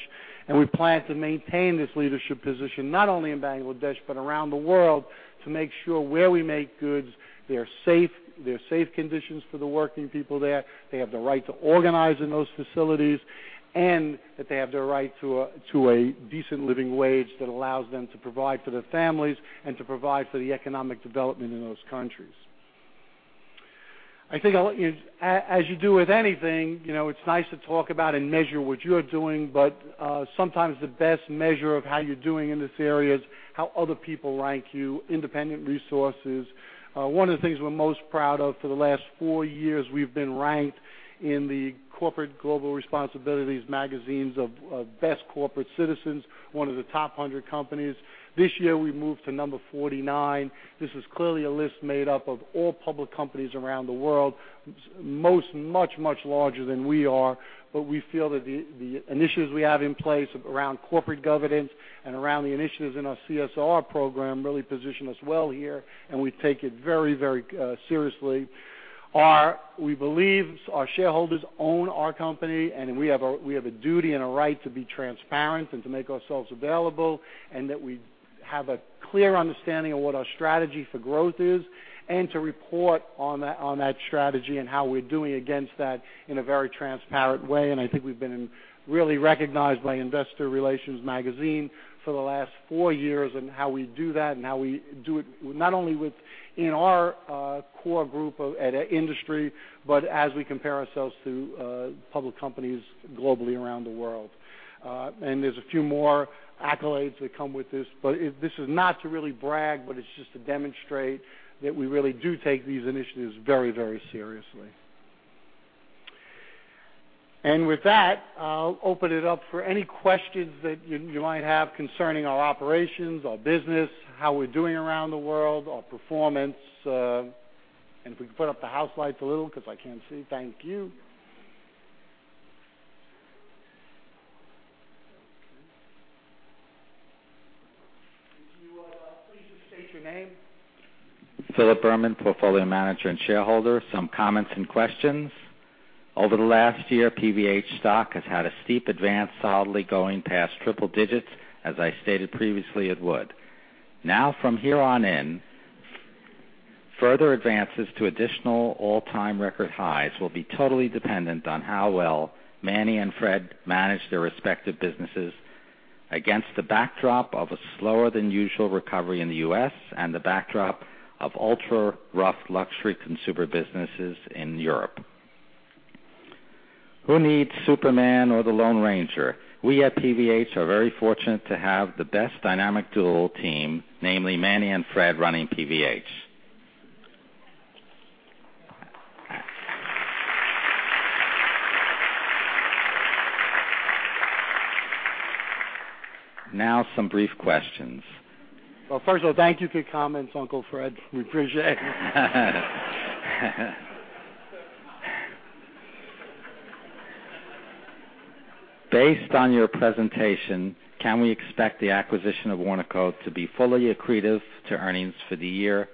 We plan to maintain this leadership position, not only in Bangladesh, but around the world to make sure where we make goods, there are safe conditions for the working people there, they have the right to organize in those facilities, and they have the right to a decent living wage that allows them to provide for their families and to provide for the economic development in those countries. I think as you do with anything, it's nice to talk about and measure what you're doing, but sometimes the best measure of how you're doing in this area is how other people rank you, independent resources. One of the things we're most proud of, for the last four years, we've been ranked in the Corporate Global Responsibility magazines of Best Corporate Citizens, one of the top 100 companies. This year, we moved to number 49. This is clearly a list made up of all public companies around the world, most much, much larger than we are. We feel that the initiatives we have in place around corporate governance and around the initiatives in our CSR program really position us well here, and we take it very seriously. We believe our shareholders own our company, and we have a duty and a right to be transparent and to make ourselves available, and we have a clear understanding of what our strategy for growth is, and to report on that strategy and how we're doing against that in a very transparent way. I think we've been really recognized by Investor Relations Magazine for the last four years. How we do that, and how we do it not only within our core group at industry, but as we compare ourselves to public companies globally around the world. There's a few more accolades that come with this. This is not to really brag, but it's just to demonstrate that we really do take these initiatives very seriously. With that, I'll open it up for any questions that you might have concerning our operations, our business, how we're doing around the world, our performance. If we can put up the house lights a little because I can't see. Thank you. Could you please just state your name? Philip Berman, portfolio manager and shareholder. Some comments and questions. Over the last year, PVH stock has had a steep advance, solidly going past triple digits, as I stated previously it would. From here on in, further advances to additional all-time record highs will be totally dependent on how well Manny and Fred manage their respective businesses against the backdrop of a slower than usual recovery in the U.S. and the backdrop of ultra-rough luxury consumer businesses in Europe. Who needs Superman or the Lone Ranger? We at PVH are very fortunate to have the best dynamic dual team, namely Manny and Fred, running PVH. Some brief questions. Well, first of all, thank you for your comments, Uncle Fred. We appreciate it. Based on your presentation, can we expect the acquisition of Warnaco to be fully accretive to earnings for the year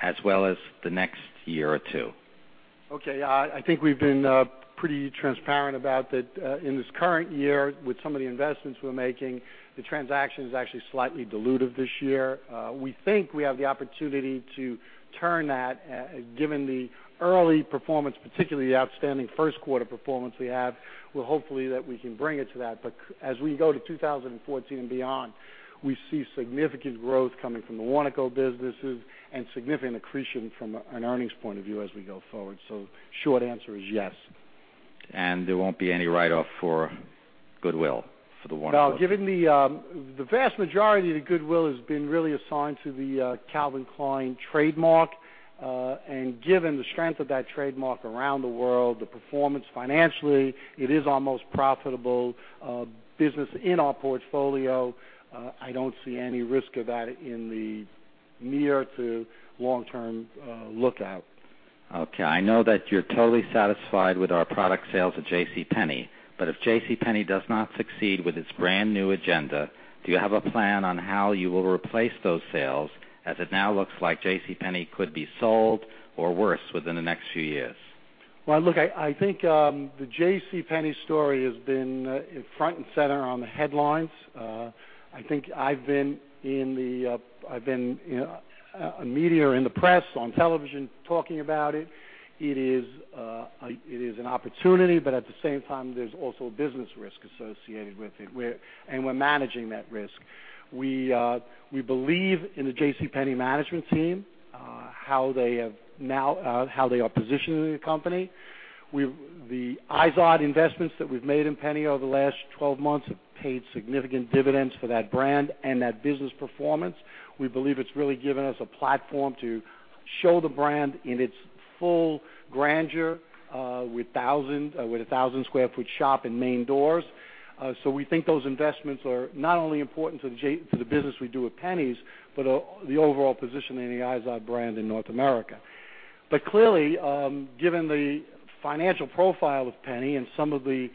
as well as the next year or two? Okay. I think we've been pretty transparent about that. In this current year, with some of the investments we're making, the transaction is actually slightly dilutive this year. We think we have the opportunity to turn that, given the early performance, particularly the outstanding first quarter performance we have. Well, hopefully, that we can bring it to that. As we go to 2014 and beyond, we see significant growth coming from the Warnaco businesses and significant accretion from an earnings point of view as we go forward. Short answer is yes. There won't be any write-off for goodwill for the Warnaco? No. The vast majority of the goodwill has been really assigned to the Calvin Klein trademark. Given the strength of that trademark around the world, the performance financially, it is our most profitable business in our portfolio. I don't see any risk of that in the near to long-term lookout. Okay. I know that you're totally satisfied with our product sales at JCPenney. If JCPenney does not succeed with its brand-new agenda, do you have a plan on how you will replace those sales, as it now looks like JCPenney could be sold, or worse, within the next few years? Well, look, I think the J.C. Penney story has been front and center on the headlines. I think I've been in media, in the press, on television, talking about it. It is an opportunity, but at the same time, there's also a business risk associated with it, and we're managing that risk. We believe in the J.C. Penney management team, how they are positioned in the company. The IZOD investments that we've made in Penney over the last 12 months have paid significant dividends for that brand and that business performance. We believe it's really given us a platform to show the brand in its full grandeur with a 1,000 square foot shop in main doors. We think those investments are not only important to the business we do with Penney's, but the overall position in the IZOD brand in North America. Clearly, given the financial profile of Penney and some of the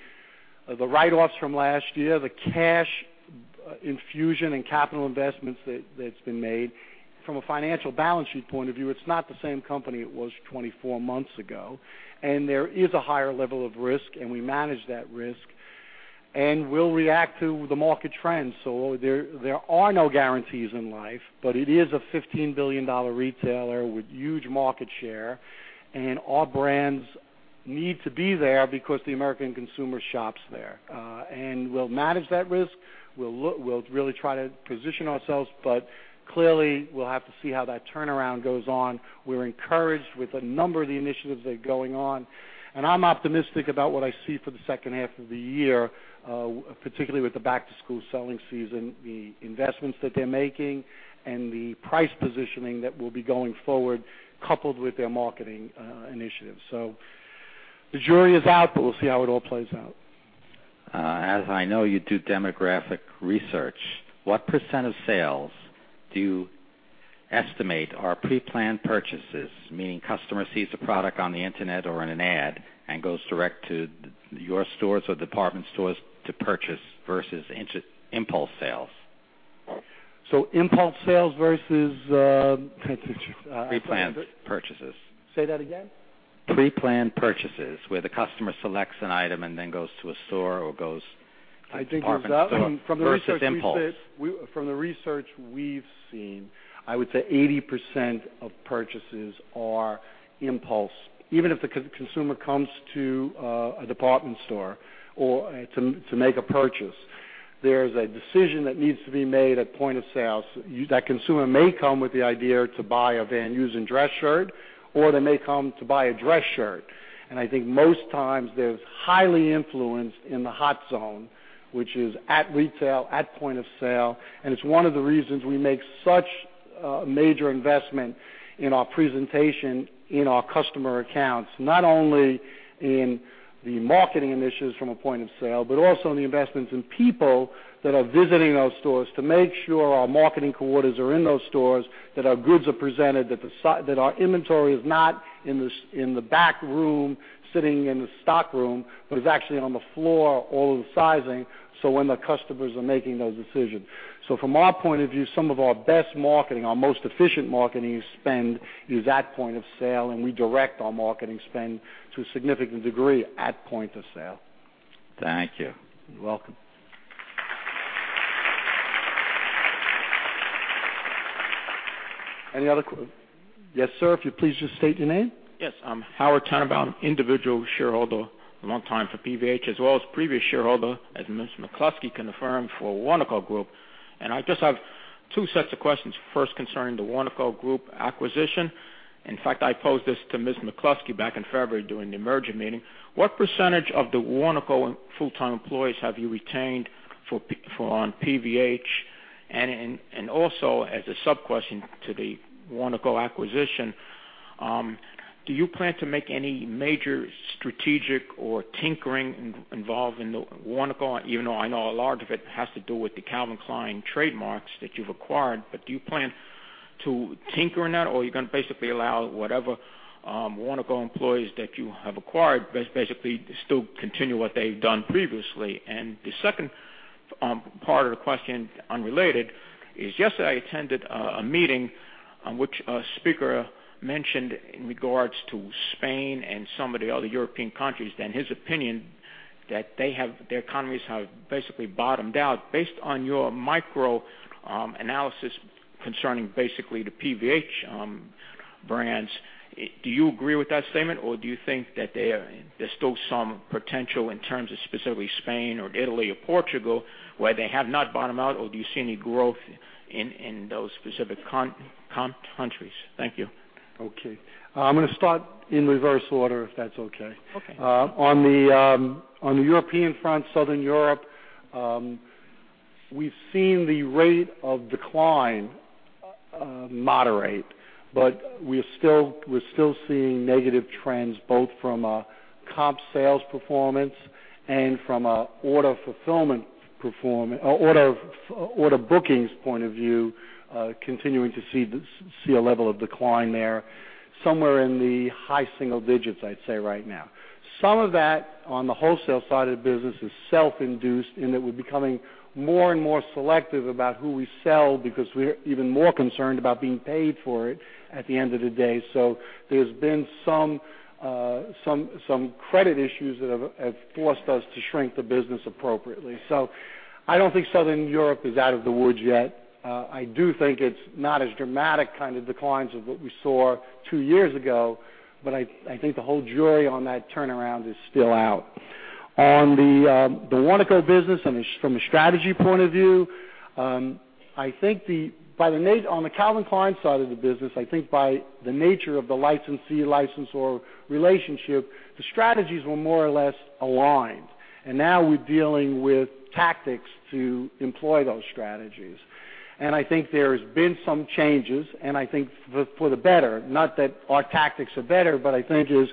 write-offs from last year, the cash infusion and capital investments that's been made, from a financial balance sheet point of view, it's not the same company it was 24 months ago. There is a higher level of risk, and we manage that risk. We'll react to the market trends. There are no guarantees in life, but it is a $15 billion retailer with huge market share. All brands need to be there because the American consumer shops there. We'll manage that risk. We'll really try to position ourselves, but clearly, we'll have to see how that turnaround goes on. We're encouraged with a number of the initiatives that are going on, I'm optimistic about what I see for the second half of the year, particularly with the back-to-school selling season, the investments that they're making, and the price positioning that will be going forward, coupled with their marketing initiatives. The jury is out, we'll see how it all plays out. As I know you do demographic research, what % of sales do you estimate are pre-planned purchases, meaning customer sees a product on the internet or in an ad and goes direct to your stores or department stores to purchase versus impulse sales? Impulse sales versus Pre-planned purchases. Say that again. Pre-planned purchases, where the customer selects an item and then goes to a store or goes to a department store versus impulse. From the research we've seen, I would say 80% of purchases are impulse. Even if the consumer comes to a department store to make a purchase, there's a decision that needs to be made at point of sales. That consumer may come with the idea to buy a Van Heusen dress shirt, or they may come to buy a dress shirt. I think most times there's highly influence in the hot zone, which is at retail, at point of sale, and it's one of the reasons we make such a major investment in our presentation in our customer accounts. Not only in the marketing initiatives from a point of sale, but also in the investments in people that are visiting those stores to make sure our marketing coordinators are in those stores, that our goods are presented, that our inventory is not in the back room, sitting in the stock room, but is actually on the floor, all of the sizing, when the customers are making those decisions. From our point of view, some of our best marketing, our most efficient marketing spend is at point of sale. We direct our marketing spend to a significant degree at point of sale. Thank you. You're welcome. Any other, yes, sir. If you'd please just state your name. Yes. I'm Howard Tenenbaum, individual shareholder a long time for PVH, as well as previous shareholder, as Ms. McCluskey can affirm, for Warnaco Group. I just have two sets of questions. First, concerning the Warnaco Group acquisition. In fact, I posed this to Ms. McCluskey back in February during the merger meeting. What % of the Warnaco full-time employees have you retained on PVH? Also, as a sub-question to the Warnaco acquisition, do you plan to make any major strategic or tinkering involving the Warnaco? I know a large of it has to do with the Calvin Klein trademarks that you've acquired, but do you plan to tinker in that, or are you going to basically allow whatever Warnaco employees that you have acquired, basically still continue what they've done previously? The second part of the question, unrelated, is yesterday I attended a meeting on which a speaker mentioned in regards to Spain and some of the other European countries, and his opinion, that their economies have basically bottomed out. Based on your micro-analysis concerning basically the PVH brands, do you agree with that statement, or do you think that there's still some potential in terms of specifically Spain or Italy or Portugal, where they have not bottomed out? Do you see any growth in those specific countries? Thank you. Okay. I'm gonna start in reverse order, if that's okay. Okay. On the European front, Southern Europe, we've seen the rate of decline moderate, but we're still seeing negative trends both from a comp sales performance and from an order bookings point of view, continuing to see a level of decline there. Somewhere in the high single digits, I'd say right now. Some of that on the wholesale side of the business is self-induced in that we're becoming more and more selective about who we sell because we're even more concerned about being paid for it at the end of the day. There's been some credit issues that have forced us to shrink the business appropriately. I don't think Southern Europe is out of the woods yet. I do think it's not as dramatic kind of declines of what we saw two years ago, but I think the whole jury on that turnaround is still out. On the Warnaco business, from a strategy point of view, on the Calvin Klein side of the business, I think by the nature of the licensee-licensor relationship, the strategies were more or less aligned, and now we're dealing with tactics to employ those strategies. I think there has been some changes, and I think for the better. Not that our tactics are better, but I think it is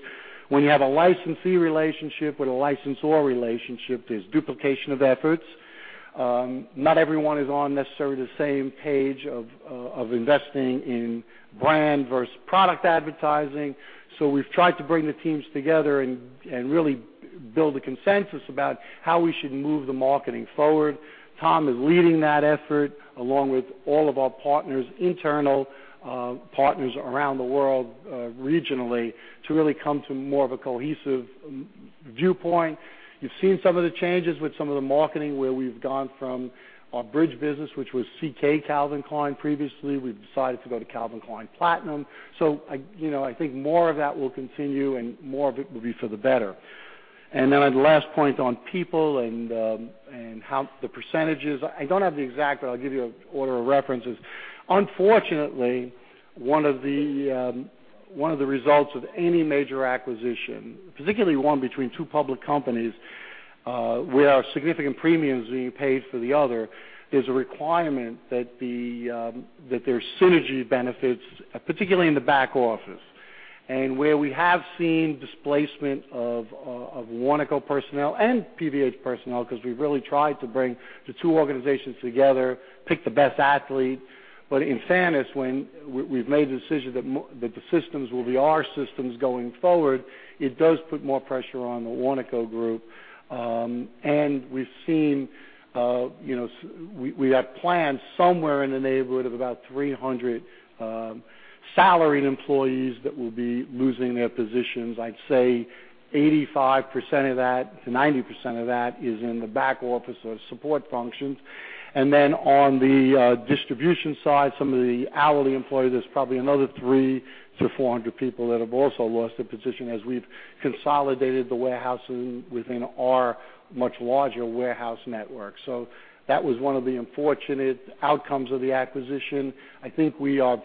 when you have a licensee relationship with a licensor relationship, there's duplication of efforts. Not everyone is on necessarily the same page of investing in brand versus product advertising. We've tried to bring the teams together and really build a consensus about how we should move the marketing forward. Tom is leading that effort, along with all of our partners, internal partners around the world regionally, to really come to more of a cohesive viewpoint. You've seen some of the changes with some of the marketing where we've gone from our bridge business, which was CK Calvin Klein previously. We've decided to go to Calvin Klein Platinum. I think more of that will continue and more of it will be for the better. The last point on people and the percentages. I don't have the exact, but I'll give you order of references. Unfortunately, one of the results of any major acquisition, particularly one between two public companies, where a significant premium is being paid for the other, is a requirement that there's synergy benefits, particularly in the back office. Where we have seen displacement of Warnaco personnel and PVH personnel because we've really tried to bring the two organizations together, pick the best athlete. In fairness, when we've made the decision that the systems will be our systems going forward, it does put more pressure on the Warnaco Group. We've had plans somewhere in the neighborhood of about 300 salaried employees that will be losing their positions. I'd say 85%-90% of that is in the back office or support functions. Then on the distribution side, some of the hourly employees, there's probably another 300-400 people that have also lost their position as we've consolidated the warehousing within our much larger warehouse network. That was one of the unfortunate outcomes of the acquisition. I think we have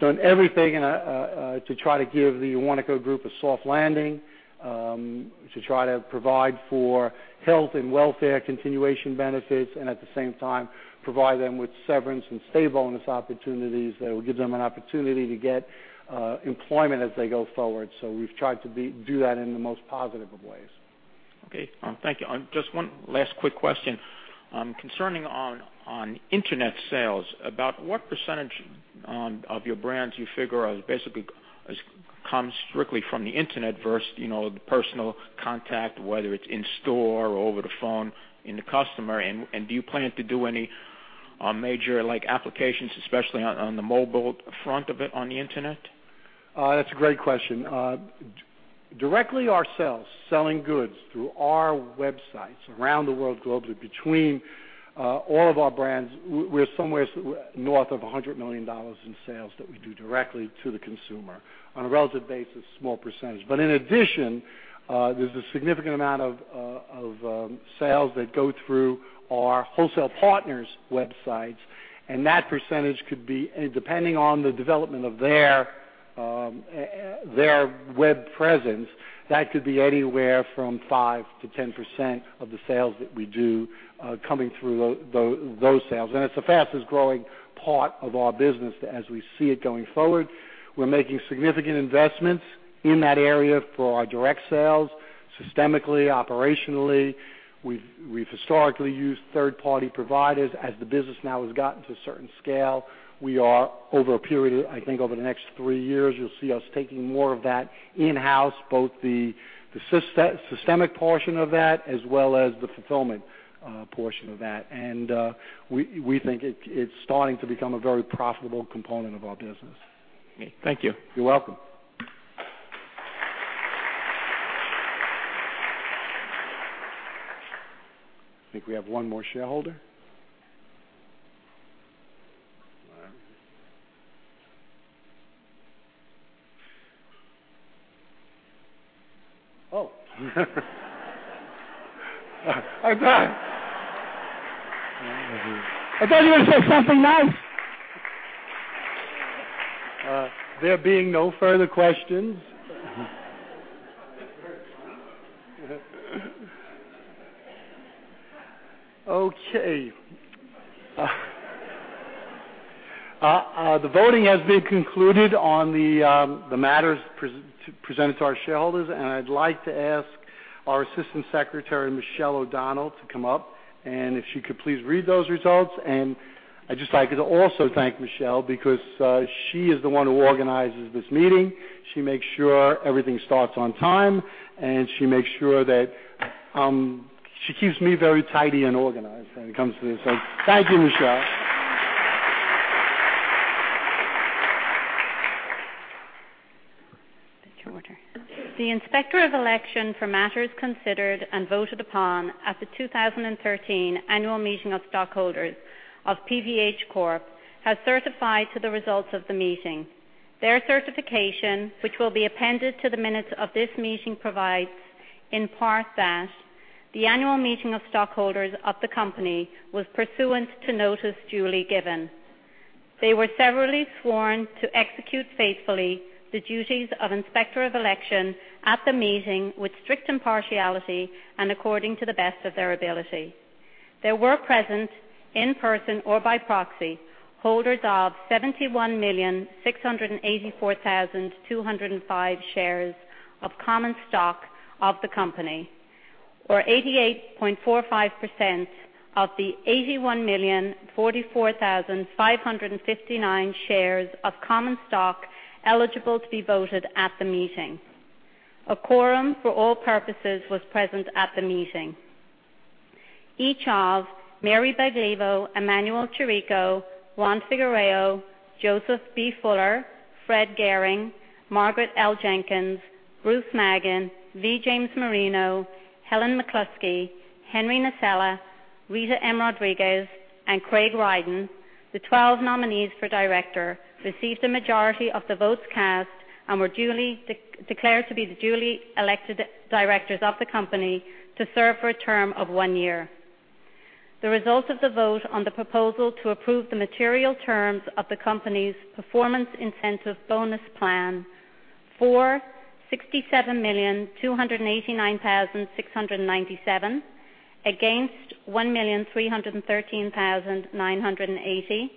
done everything to try to give the Warnaco Group a soft landing, to try to provide for health and welfare continuation benefits, and at the same time provide them with severance and stay bonus opportunities that will give them an opportunity to get employment as they go forward. We've tried to do that in the most positive of ways. Okay. Thank you. Just one last quick question. Concerning on internet sales, about what % of your brands you figure out basically comes strictly from the internet versus the personal contact, whether it's in-store or over the phone in the customer, and do you plan to do any major applications, especially on the mobile front of it on the internet? That's a great question. Directly ourselves, selling goods through our websites around the world globally between all of our brands, we're somewhere north of $100 million in sales that we do directly to the consumer. On a relative basis, small %. In addition, there's a significant amount of sales that go through our wholesale partners' websites, and that % could be, depending on the development of their web presence, that could be anywhere from 5%-10% of the sales that we do coming through those sales. It's the fastest-growing part of our business as we see it going forward. We're making significant investments in that area for our direct sales. Systemically, operationally, we've historically used third-party providers. As the business now has gotten to a certain scale, we are over a period of, I think over the next 3 years, you'll see us taking more of that in-house, both the systemic portion of that as well as the fulfillment portion of that. We think it's starting to become a very profitable component of our business. Thank you. You're welcome. I think we have one more shareholder. All right. Oh. Oh, God. I thought you were gonna say something nice. There being no further questions. Okay. The voting has been concluded on the matters presented to our shareholders. I'd like to ask Our Assistant Secretary, Michelle O'Donnell, to come up, and if she could please read those results. I'd just like to also thank Michelle, because she is the one who organizes this meeting. She makes sure everything starts on time, and she makes sure that She keeps me very tidy and organized when it comes to this. Thank you, Michelle. Take your water. The Inspector of Election for matters considered and voted upon at the 2013 Annual Meeting of Stockholders of PVH Corp has certified to the results of the meeting. Their certification, which will be appended to the minutes of this meeting, provides in part that the annual meeting of stockholders of the company was pursuant to notice duly given. They were severally sworn to execute faithfully the duties of Inspector of Election at the meeting with strict impartiality and according to the best of their ability. There were present, in person or by proxy, holders of 71,684,205 shares of common stock of the company, or 88.45% of the 81,044,559 shares of common stock eligible to be voted at the meeting. A quorum for all purposes was present at the meeting. Each of Mary Baglivo, Emanuel Chirico, Juan Figuereo, Joseph B. Fuller, Fred Gehring, Margaret L. Jenkins, Bruce Maggin, V. James Marino, Helen McCluskey, Henry Nasella, Rita M. Rodriguez, and Craig Rydin, the 12 nominees for director, received a majority of the votes cast and were declared to be the duly elected directors of the company to serve for a term of one year. The result of the vote on the proposal to approve the material terms of the company's performance incentive bonus plan, for $67,289,697, against $1,313,980,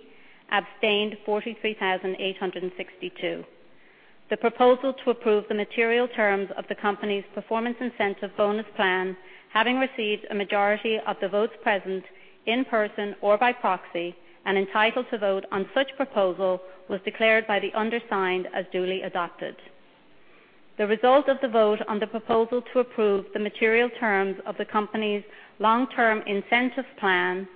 abstained $43,862. The proposal to approve the material terms of the company's performance incentive bonus plan, having received a majority of the votes present, in person or by proxy, and entitled to vote on such proposal, was declared by the undersigned as duly adopted. The result of the vote on the proposal to approve the material terms of the company's long-term incentive plan,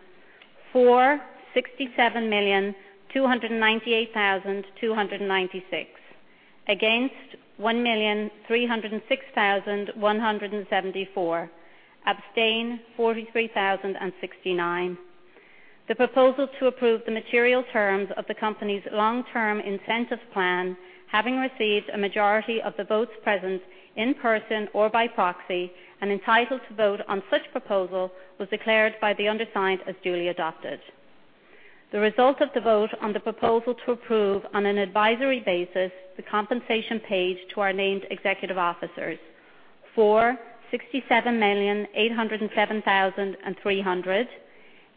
for $67,298,296, against $1,306,174, abstain $43,069. The proposal to approve the material terms of the company's long-term incentives plan, having received a majority of the votes present, in person or by proxy, and entitled to vote on such proposal, was declared by the undersigned as duly adopted. The result of the vote on the proposal to approve, on an advisory basis, the compensation paid to our named executive officers, for $67,807,300,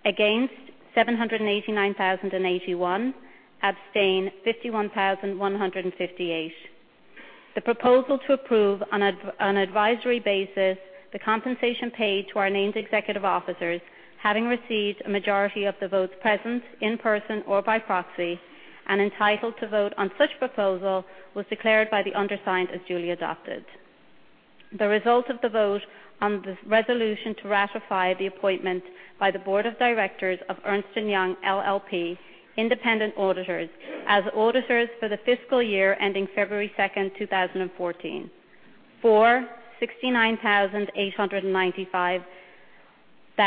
against $789,081, abstain $51,158. The proposal to approve, on an advisory basis, the compensation paid to our named executive officers, having received a majority of the votes present, in person or by proxy, and entitled to vote on such proposal, was declared by the undersigned as duly adopted. The result of the vote on the resolution to ratify the appointment by the Board of Directors of Ernst & Young LLP independent auditors as auditors for the fiscal year ending February 2nd, 2014, for $69,895,808, against $1,678,396, abstain $110,001. The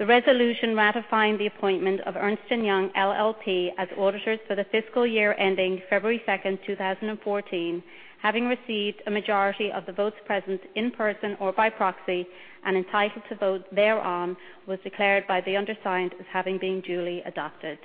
resolution ratifying the appointment of Ernst & Young LLP as auditors for the fiscal year ending February 2nd, 2014, having received a majority of the votes present, in person or by proxy, and entitled to vote thereon, was declared by the undersigned as having been duly adopted.